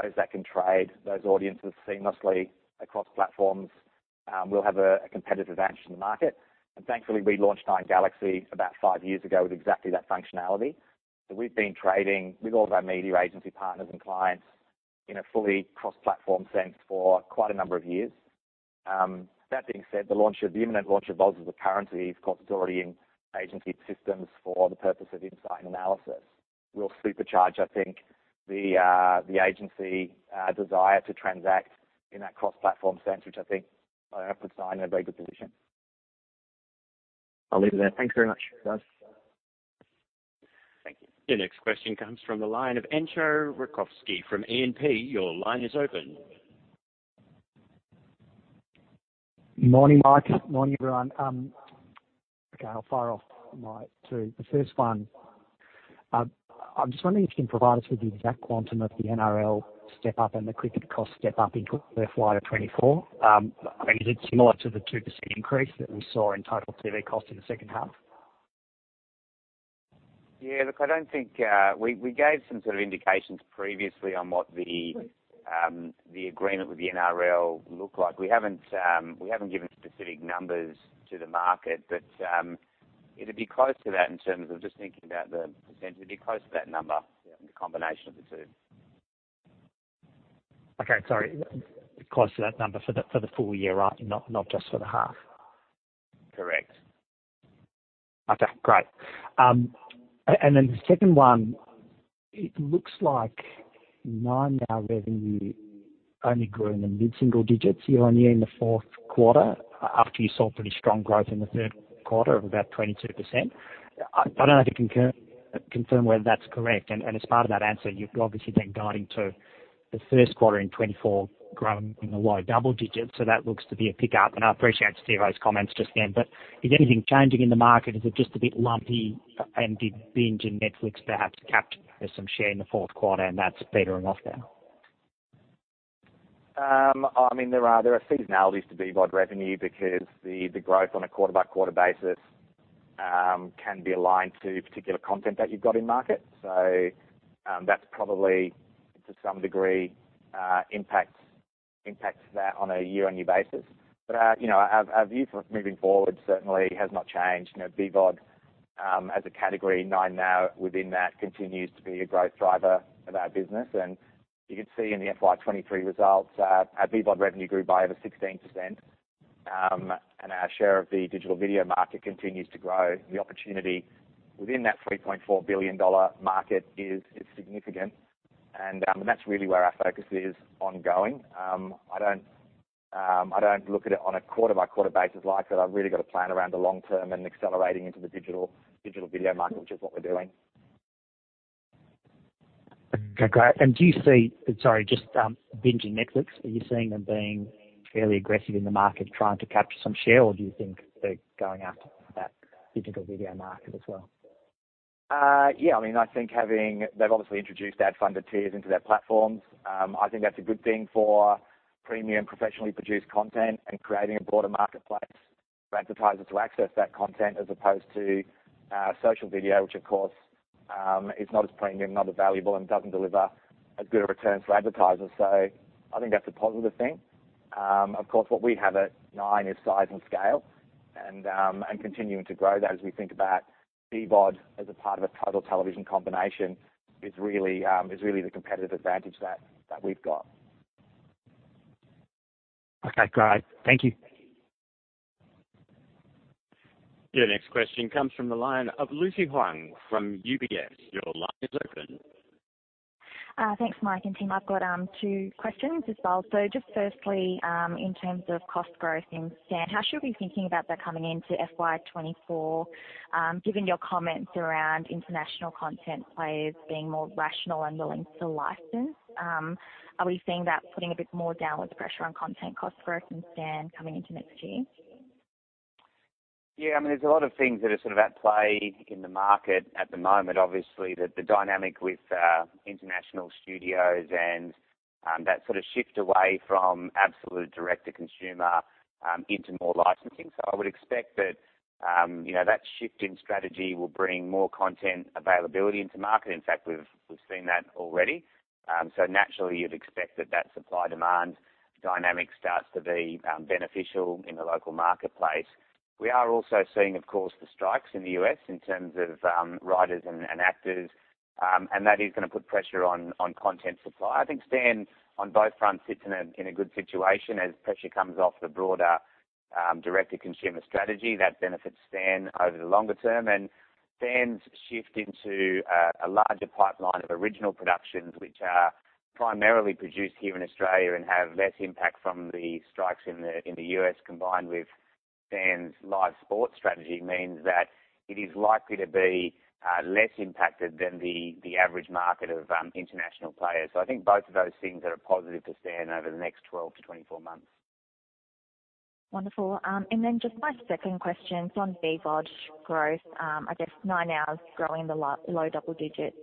those that can trade those audiences seamlessly across platforms will have a, a competitive advantage in the market. Thankfully, we launched Nine Galaxy about 5 years ago with exactly that functionality. We've been trading with all of our media agency partners and clients in a fully cross-platform sense for quite a number of years. That being said, the launch of-- the imminent launch of VOD as a currency, of course, it's already in agency systems for the purpose of insight and analysis, will supercharge, I think, the agency desire to transact in that cross-platform sense, which I think, puts Nine in a very good position. I'll leave it there. Thank you very much, guys. Thank you. The next question comes from the line of Entcho Raykovski from AMP. Your line is open. Morning, Mike. Morning, everyone. Okay, I'll fire off my two. The first one, I'm just wondering if you can provide us with the exact quantum of the NRL step up and the cricket cost step up into FY24. I mean, is it similar to the 2% increase that we saw in total TV cost in the second half? Yeah, look, I don't think. We, we gave some sort of indications previously on what the agreement with the NRL looked like. We haven't, we haven't given specific numbers to the market, but it'd be close to that in terms of just thinking about the percentage. It'd be close to that number, yeah, the combination of the two. Okay, sorry, close to that number for the, for the full year, right? Not, not just for the half. Correct. Okay, great. Then the second one: it looks like 9Now revenue only grew in the mid-single digits year-on-year in the fourth quarter, after you saw pretty strong growth in the third quarter of about 22%. I, I don't know if you can confirm whether that's correct. As part of that answer, you've obviously been guiding to the first quarter in 2024, growing in the low double digits, so that looks to be a pickup. I appreciate Steve's comments just then, but is anything changing in the market? Is it just a bit lumpy and did Binge and Netflix perhaps capture some share in the fourth quarter, and that's petering off now? I mean, there are, there are seasonalities to BVOD revenue because the, the growth on a quarter-by-quarter basis can be aligned to particular content that you've got in market. That's probably, to some degree, impacts, impacts that on a year-on-year basis. You know, our, our view for moving forward certainly has not changed. You know, BVOD, as a category, 9Now within that continues to be a growth driver of our business, and you can see in the FY23 results, our BVOD revenue grew by over 16%. Our share of the digital video market continues to grow. The opportunity within that 3.4 billion dollar market is, is significant. That's really where our focus is ongoing. I don't, I don't look at it on a quarter-by-quarter basis like that. I've really got to plan around the long term and accelerating into the digital, digital video market, which is what we're doing. Okay, great. Do you see... Sorry, just, Binge and Netflix, are you seeing them being fairly aggressive in the market, trying to capture some share, or do you think they're going after that digital video market as well? Yeah, I mean, I think They've obviously introduced ad-funded tiers into their platforms. I think that's a good thing for premium, professionally produced content and creating a broader marketplace.... for advertisers to access that content, as opposed to, social video, which of course, is not as premium, not as valuable, and doesn't deliver as good a return for advertisers. I think that's a positive thing. Of course, what we have at Nine is size and scale, and, and continuing to grow that as we think about BVOD as a part of a Total Television combination, is really, is really the competitive advantage that, that we've got. Okay, great. Thank you. Your next question comes from the line of Lucy Huang from UBS. Your line is open. Thanks, Mike and team. I've got 2 questions as well. Just firstly, in terms of cost growth in Stan, how should we be thinking about that coming into FY24, given your comments around international content players being more rational and willing to license? Are we seeing that putting a bit more downward pressure on content cost growth in Stan coming into next year? Yeah, I mean, there's a lot of things that are sort of at play in the market at the moment. Obviously, the, the dynamic with international studios and that sort of shift away from absolute direct-to-consumer into more licensing. I would expect that, you know, that shift in strategy will bring more content availability into market. In fact, we've, we've seen that already. Naturally, you'd expect that that supply-demand dynamic starts to be beneficial in the local marketplace. We are also seeing, of course, the strikes in the U.S. in terms of writers and, and actors, that is going to put pressure on, on content supply. I think Stan, on both fronts, sits in a, in a good situation as pressure comes off the broader direct-to-consumer strategy that benefits Stan over the longer term, and Stan's shift into a larger pipeline of original productions, which are primarily produced here in Australia and have less impact from the strikes in the, in the U.S., combined with Stan's live sports strategy, means that it is likely to be less impacted than the average market of international players. I think both of those things are a positive to Stan over the next 12 to 24 months. Wonderful. Then just my second question is on BVOD growth. I guess 9Now is growing in the low double digits,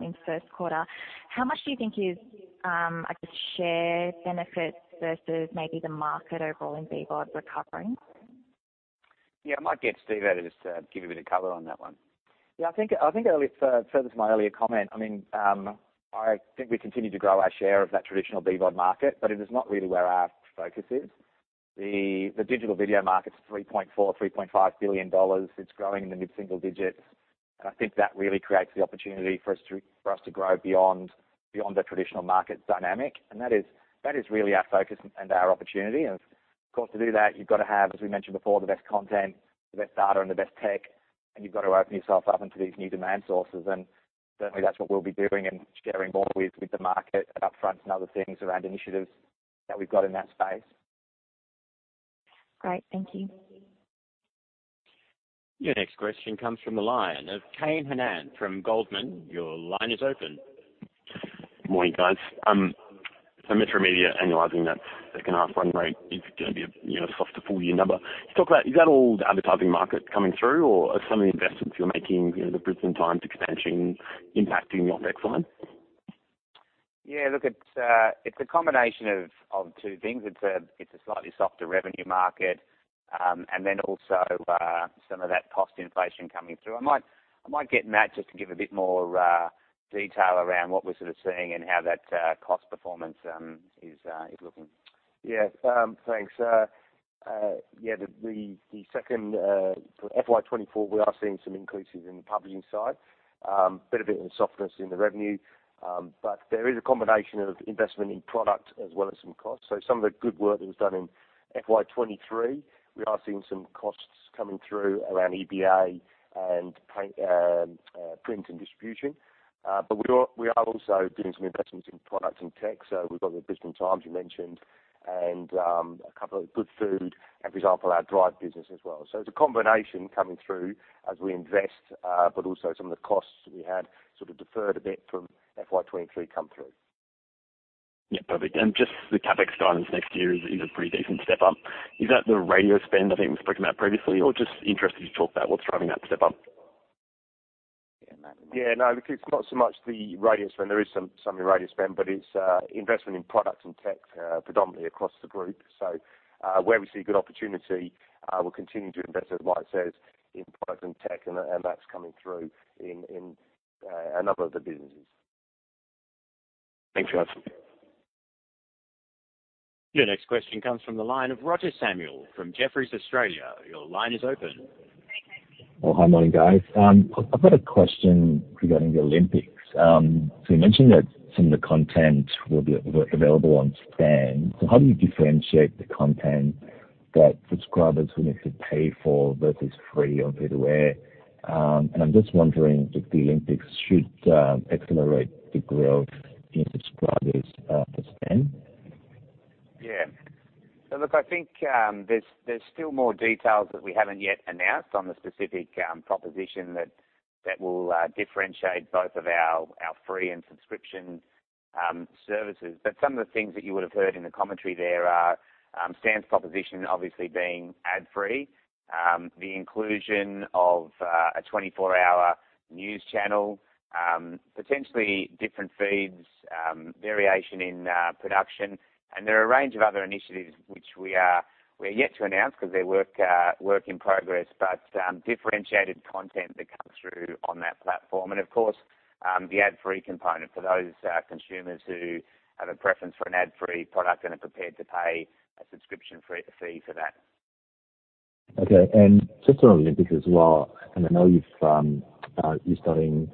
in the first quarter. How much do you think is, I guess, share benefits versus maybe the market overall in BVOD recovering? Yeah, I might get Steve out just to give you a bit of color on that one. Yeah, I think, I think it further to my earlier comment, I mean, I think we continue to grow our share of that traditional BVOD market. It is not really where our focus is. The digital video market is 3.4 billion-3.5 billion dollars. It's growing in the mid-single digits. I think that really creates the opportunity for us to, for us to grow beyond, beyond the traditional market dynamic. That is, that is really our focus and our opportunity. Of course, to do that, you've got to have, as we mentioned before, the best content, the best data, and the best tech. You've got to open yourself up into these new demand sources. Certainly, that's what we'll be doing and sharing more with, with the market at upfront and other things around initiatives that we've got in that space. Great. Thank you. Your next question comes from the line of Kane Hannan from Goldman. Your line is open. Good morning, guys. Metro Media annualizing that second half run rate is going to be a, you know, softer full year number. You talk about, is that all the advertising market coming through, or are some of the investments you're making, you know, the Brisbane Times expansion impacting your next line? Yeah, look, it's a combination of two things. It's a slightly softer revenue market, and then also, some of that cost inflation coming through. I might get Matt, just to give a bit more detail around what we're sort of seeing and how that cost performance is looking. Yeah. Thanks. Yeah, the, the, the second FY24, we are seeing some increases in the publishing side. A bit of softness in the revenue, but there is a combination of investment in product as well as some costs. Some of the good work that was done in FY23, we are seeing some costs coming through around EBA and print, print and distribution. We are, we are also doing some investments in products and tech. We've got the Brisbane Times you mentioned, and a couple of Good Food, and for example, our Drive business as well. It's a combination coming through as we invest, but also some of the costs we had sort of deferred a bit from FY23 come through. Yeah, perfect. Just the CapEx guidance next year is a pretty decent step up. Is that the radio spend I think was spoken about previously or just interested to talk about what's driving that step up? Yeah, no, it's not so much the radio spend. There is some, some in radio spend, but it's investment in products and tech, predominantly across the group. Where we see good opportunity, we'll continue to invest, as Mike says, in products and tech, and, and that's coming through in, in a number of the businesses. Thanks, guys. Your next question comes from the line of Roger Samuel from Jefferies, Australia. Your line is open. Well, hi. Morning, guys. I've got a question regarding the Olympics. You mentioned that some of the content will be available on Stan. How do you differentiate the content that subscribers will need to pay for versus free on free-to-air? I'm just wondering if the Olympics should accelerate the growth in subscribers to Stan? Look, I think, there's, there's still more details that we haven't yet announced on the specific proposition that, that will differentiate both of our, our free and subscription services. Some of the things that you would have heard in the commentary there are, Stan's proposition obviously being ad-free, the inclusion of a 24-hour news channel, potentially different feeds, variation in production. There are a range of other initiatives which we are, we are yet to announce because they're work, work in progress, but differentiated content that comes through on that platform. Of course, the ad-free component for those consumers who have a preference for an ad-free product and are prepared to pay a subscription fee, fee for that. Okay. Just on Olympics as well, and I know you've, you're starting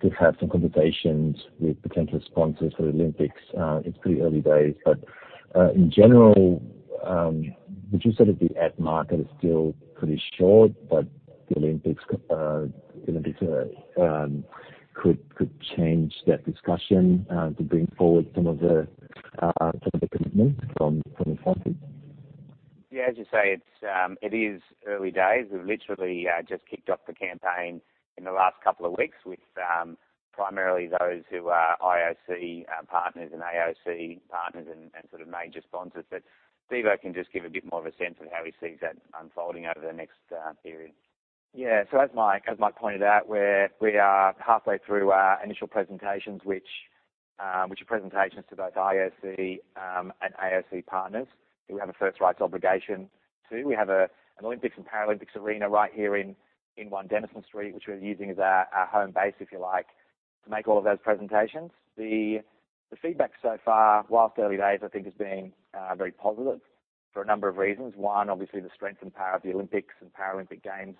to have some conversations with potential sponsors for the Olympics. It's pretty early days, but, in general, would you say that the ad market is still pretty short, but the Olympics, the Olympics, could, could change that discussion, to bring forward some of the, commitment from, from the sponsors? Yeah, as you say, it's, it is early days. We've literally just kicked off the campaign in the last couple of weeks with primarily those who are IOC partners and AOC partners and, and sort of major sponsors. Steve-O can just give a bit more of a sense of how he sees that unfolding over the next period. Yeah. As Mike, as Mike pointed out, we are halfway through our initial presentations, which are presentations to both IOC and AOC partners, who we have a first rights obligation to. We have an Olympics and Paralympics arena right here in One Denison Street, which we're using as our home base, if you like, to make all of those presentations. The feedback so far, whilst early days, I think, has been very positive for a number of reasons. One, obviously, the strength and power of the Olympics and Paralympic Games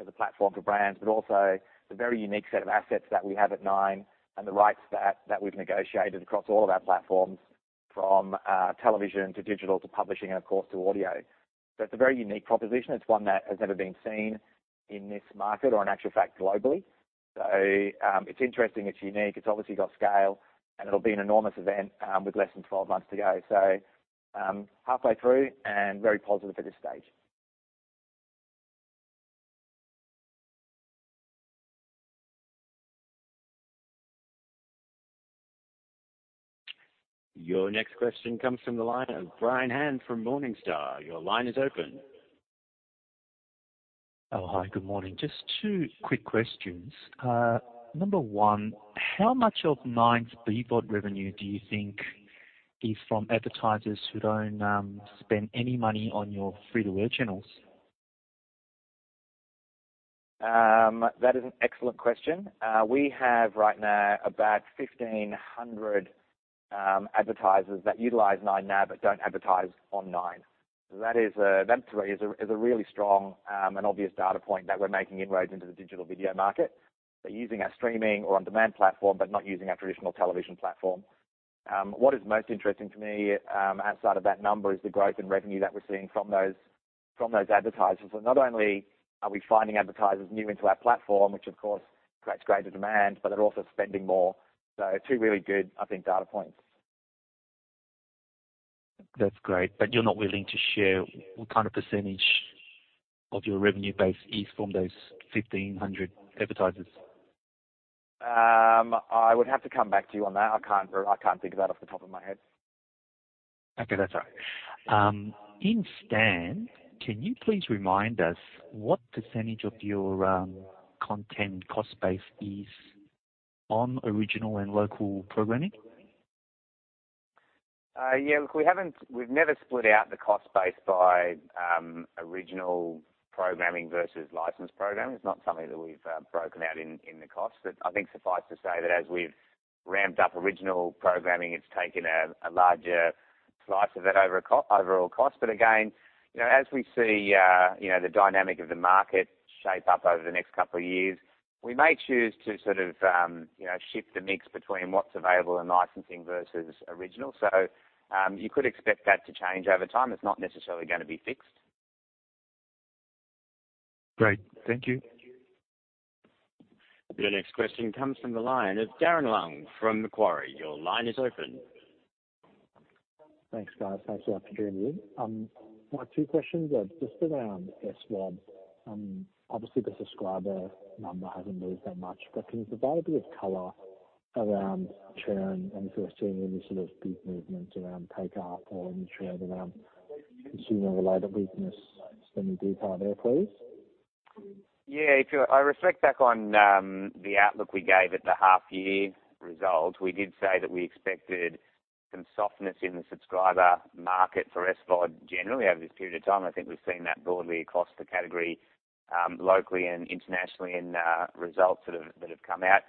as a platform for brands, also the very unique set of assets that we have at Nine and the rights that we've negotiated across all of our platforms, from television to digital, to publishing and, of course, to audio. It's a very unique proposition. It's one that has never been seen in this market or in actual fact, globally. It's interesting, it's unique, it's obviously got scale, and it'll be an enormous event, with less than 12 months to go. Halfway through and very positive at this stage. Your next question comes from the line of Brian Han from Morningstar. Your line is open. Oh, hi, good morning. Just 2 quick questions. number 1, how much of Nine's BVOD revenue do you think is from advertisers who don't, spend any money on your free-to-air channels? That is an excellent question. We have right now about 1,500 advertisers that utilize 9Now, but don't advertise on Nine. That is a really strong and obvious data point that we're making inroads into the digital video market. They're using our streaming or on-demand platform, but not using our traditional television platform. What is most interesting to me, outside of that number, is the growth in revenue that we're seeing from those advertisers. Not only are we finding advertisers new into our platform, which of course creates greater demand, but they're also spending more. Two really good, I think, data points. That's great, but you're not willing to share what kind of % of your revenue base is from those 1,500 advertisers? I would have to come back to you on that. I can't I can't think of that off the top of my head. Okay, that's all right. In Stan, can you please remind us what % of your content cost base is on original and local programming? Yeah, look, we've never split out the cost base by original programming versus licensed programming. It's not something that we've broken out in, in the costs. I think suffice to say that as we've ramped up original programming, it's taken a larger slice of it over overall cost. Again, you know, as we see, you know, the dynamic of the market shape up over the next 2 years, we may choose to sort of shift the mix between what's available in licensing versus original. You could expect that to change over time. It's not necessarily going to be fixed. Great. Thank you. The next question comes from the line of Darren Leung from Macquarie. Your line is open. Thanks, guys. Thanks for the opportunity. My two questions are just around SVOD. Obviously, the subscriber number hasn't moved that much, but can you provide a bit of color around churn and if you're seeing any sort of big movements around take-up or any trend around consumer-related weakness in the detail there, please? Yeah, if you... I reflect back on the outlook we gave at the half-year results, we did say that we expected some softness in the subscriber market for SVOD generally over this period of time. I think we've seen that broadly across the category, locally and internationally in results that have, that have come out.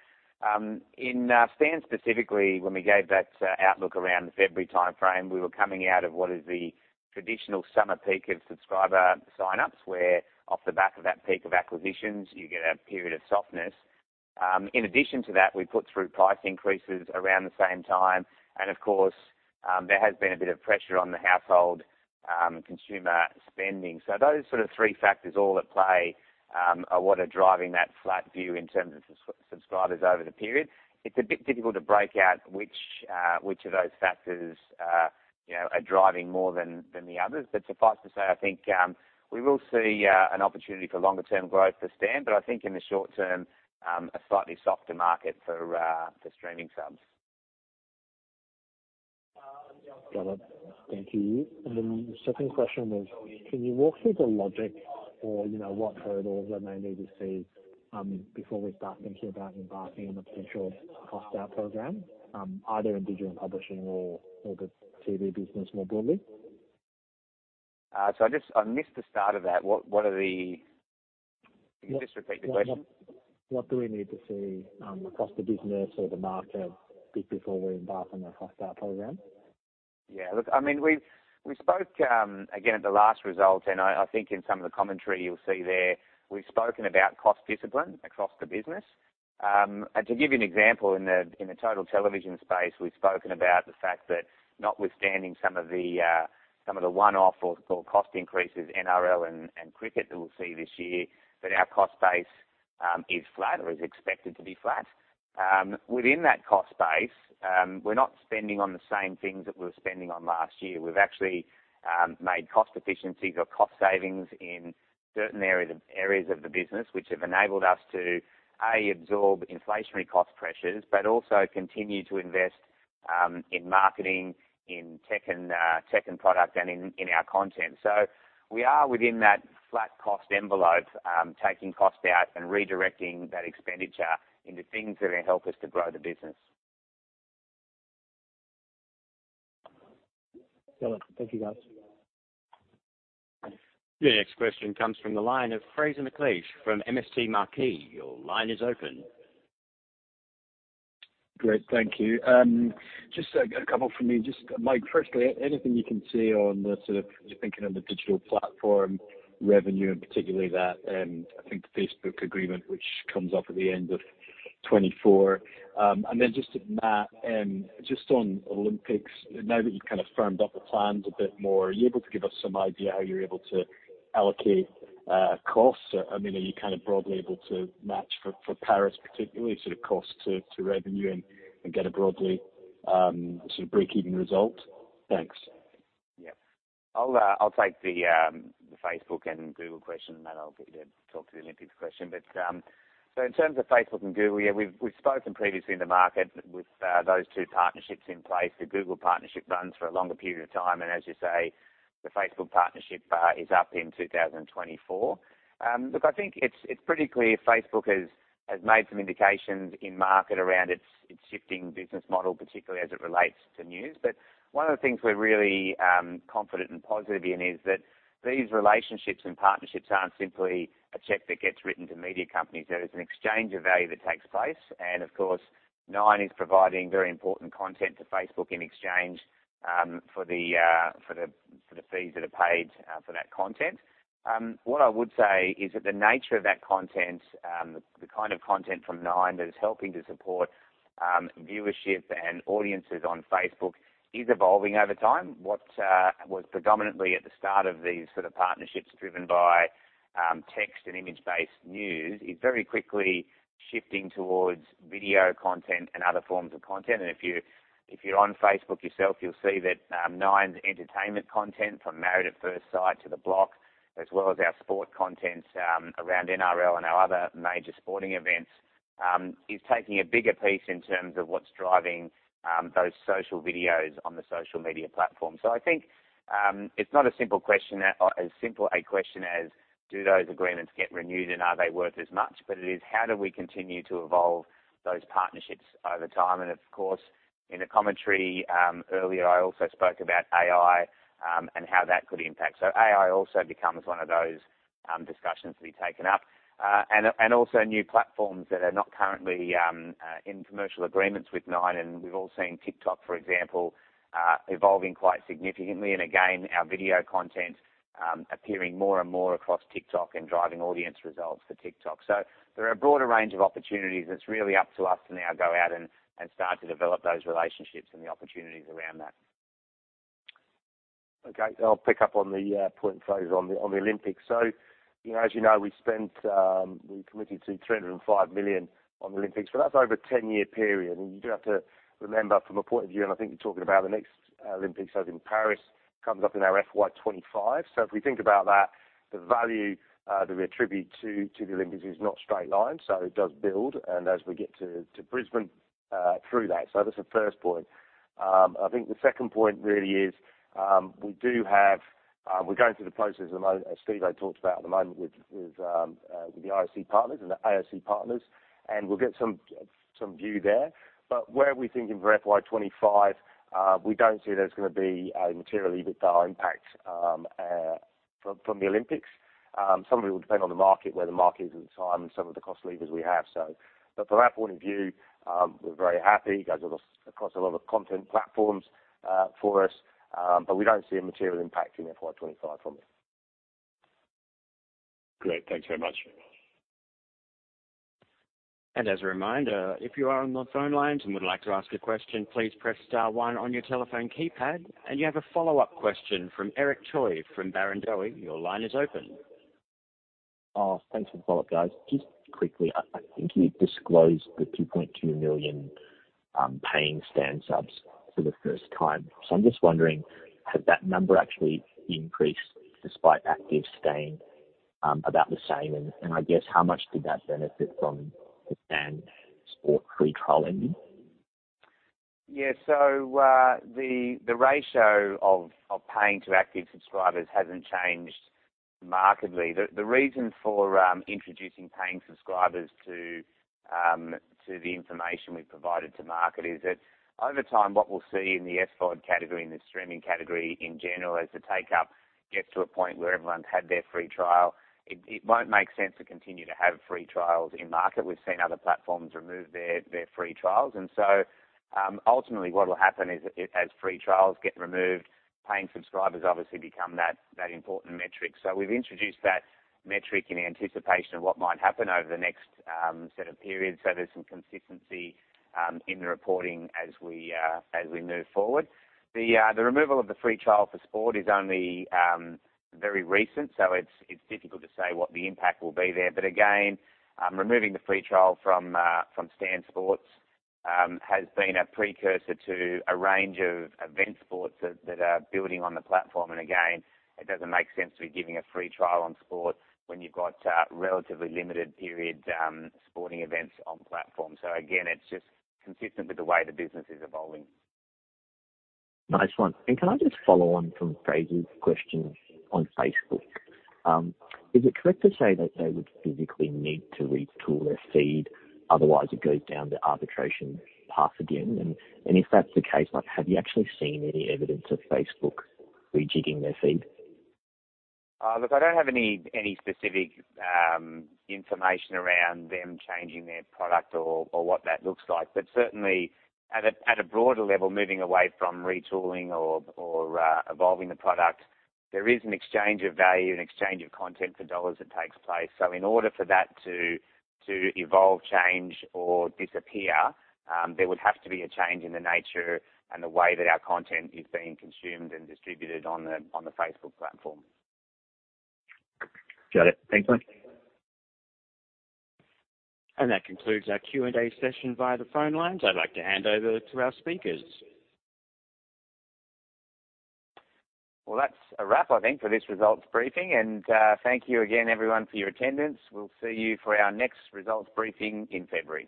In Stan specifically, when we gave that outlook around the February timeframe, we were coming out of what is the traditional summer peak of subscriber sign-ups, where off the back of that peak of acquisitions, you get a period of softness. In addition to that, we put through price increases around the same time, and of course, there has been a bit of pressure on the household consumer spending. Those sort of three factors all at play, are what are driving that flat view in terms of subscribers over the period. It's a bit difficult to break out which, which of those factors, you know, are driving more than, than the others. Suffice to say, I think, we will see an opportunity for longer-term growth for Stan, but I think in the short term, a slightly softer market for streaming subs. Got it. Thank you. Then the second question was, can you walk through the logic or, you know, what hurdles I may need to before we start thinking about embarking on a potential cost out program, either in digital and publishing or, or the TV business more broadly? I missed the start of that. Can you just repeat the question? What do we need to see across the business or the market before we embark on the cost out program? Yeah, look, I mean, we've, we spoke again, at the last result. I, I think in some of the commentary you'll see there, we've spoken about cost discipline across the business. To give you an example, in the Total Television space, we've spoken about the fact that notwithstanding some of the one-off or cost increases, NRL and cricket, that we'll see this year, that our cost base is flat or is expected to be flat. Within that cost base, we're not spending on the same things that we were spending on last year. We've actually made cost efficiencies or cost savings in certain areas of the business, which have enabled us to, A, absorb inflationary cost pressures, but also continue to invest in marketing, in tech and product, and in our content. We are within that flat cost envelope, taking cost out and redirecting that expenditure into things that are going to help us to grow the business. Excellent. Thank you, guys. The next question comes from the line of Fraser McLeish from MST Marquee. Your line is open. Great, thank you. Just a couple from me. Just, Mike, firstly, anything you can see on the sort of thinking on the digital platform, revenue, and particularly that, I think Facebook agreement, which comes up at the end of 2024. Then just to Matt, just on Olympics, now that you've kind of firmed up the plans a bit more, are you able to give us some idea how you're able to allocate costs? I mean, are you kind of broadly able to match for, for Paris particularly, sort of cost to revenue and get a broadly break-even result? Thanks. Yeah. I'll, I'll take the Facebook and Google question, and then I'll get you to talk to the Olympics question. In terms of Facebook and Google, yeah, we've, we've spoken previously in the market with those two partnerships in place. The Google partnership runs for a longer period of time, and as you say, the Facebook partnership is up in 2024. Look, I think it's, it's pretty clear Facebook has, has made some indications in market around its, its shifting business model, particularly as it relates to news. One of the things we're really confident and positive in, is that these relationships and partnerships aren't simply a check that gets written to media companies. There is an exchange of value that takes place, and of course, Nine is providing very important content to Facebook in exchange, for the, for the, for the fees that are paid, for that content. What I would say is that the nature of that content, the kind of content from Nine that is helping to support, viewership and audiences on Facebook is evolving over time. What was predominantly at the start of these sort of partnerships, driven by, text and image-based news, is very quickly shifting towards video content and other forms of content. If you, if you're on Facebook yourself, you'll see that Nine's entertainment content, from Married at First Sight to The Block, as well as our sport content, around NRL and our other major sporting events, is taking a bigger piece in terms of what's driving those social videos on the social media platform. I think it's not a simple question, or as simple a question as: Do those agreements get renewed, and are they worth as much? It is: How do we continue to evolve those partnerships over time? Of course, in the commentary earlier, I also spoke about AI and how that could impact. AI also becomes one of those discussions to be taken up. Also new platforms that are not currently in commercial agreements with Nine, and we've all seen TikTok, for example, evolving quite significantly. Again, our video content appearing more and more across TikTok and driving audience results for TikTok. There are a broader range of opportunities, that's really up to us to now go out and start to develop those relationships and the opportunities around that. Okay. I'll pick up on the point, Fraser, on the, on the Olympics. You know, as you know, we committed to 305 million on the Olympics, but that's over a 10-year period. You do have to remember from a point of view, and I think you're talking about the next Olympics, as in Paris, comes up in our FY25. If we think about that, the value that we attribute to the Olympics is not straight line, so it does build, and as we get to, to Brisbane through that. That's the first point. I think the second point really is, we do have... We're going through the process as Steve has talked about at the moment with, with, with the IOC partners and the AIC partners, and we'll get some view there. Where are we thinking for FY25? We don't see there's gonna be a materially vital impact from the Olympics. Some of it will depend on the market, where the market is at the time, and some of the cost levers we have, so. From that point of view, we're very happy. It goes across a lot of content platforms for us, but we don't see a material impact in FY25 from it. Great. Thanks very much. As a reminder, if you are on the phone lines and would like to ask a question, please press star 1 on your telephone keypad. You have a follow-up question from Eric Choi from Barrenjoey. Your line is open. Thanks for the follow-up, guys. Just quickly, I, I think you disclosed the 2.2 million paying Stan subs for the first time. I'm just wondering, has that number actually increased despite actives staying about the same? I guess how much did that benefit from the Stan Sport free trial ending? Yeah, the ratio of paying to active subscribers hasn't changed markedly. The reason for introducing paying subscribers to the information we've provided to market is that over time, what we'll see in the SVOD category, in the streaming category in general, as the take-up gets to a point where everyone's had their free trial, it won't make sense to continue to have free trials in market. We've seen other platforms remove their free trials, ultimately what will happen is, as free trials get removed, paying subscribers obviously become that important metric. We've introduced that metric in anticipation of what might happen over the next set of periods. There's some consistency in the reporting as we move forward. The removal of the free trial for sport is only very recent, so it's difficult to say what the impact will be there. Again, removing the free trial from Stan Sport has been a precursor to a range of event sports that are building on the platform. Again, it doesn't make sense to be giving a free trial on sport when you've got relatively limited periods sporting events on platform. Again, it's just consistent with the way the business is evolving. Nice one. Can I just follow on from Fraser's question on Facebook? Is it correct to say that they would physically need to retool their feed, otherwise it goes down the arbitration path again? And if that's the case, like, have you actually seen any evidence of Facebook rejigging their feed? Look, I don't have any, any specific information around them changing their product or, or what that looks like. Certainly at a, at a broader level, moving away from retooling or, or, evolving the product, there is an exchange of value and exchange of content for dollars that takes place. In order for that to, to evolve, change, or disappear, there would have to be a change in the nature and the way that our content is being consumed and distributed on the, on the Facebook platform. Got it. Thanks, one. That concludes our Q&A session via the phone lines. I'd like to hand over to our speakers. Well, that's a wrap, I think, for this results briefing. Thank you again, everyone, for your attendance. We'll see you for our next results briefing in February.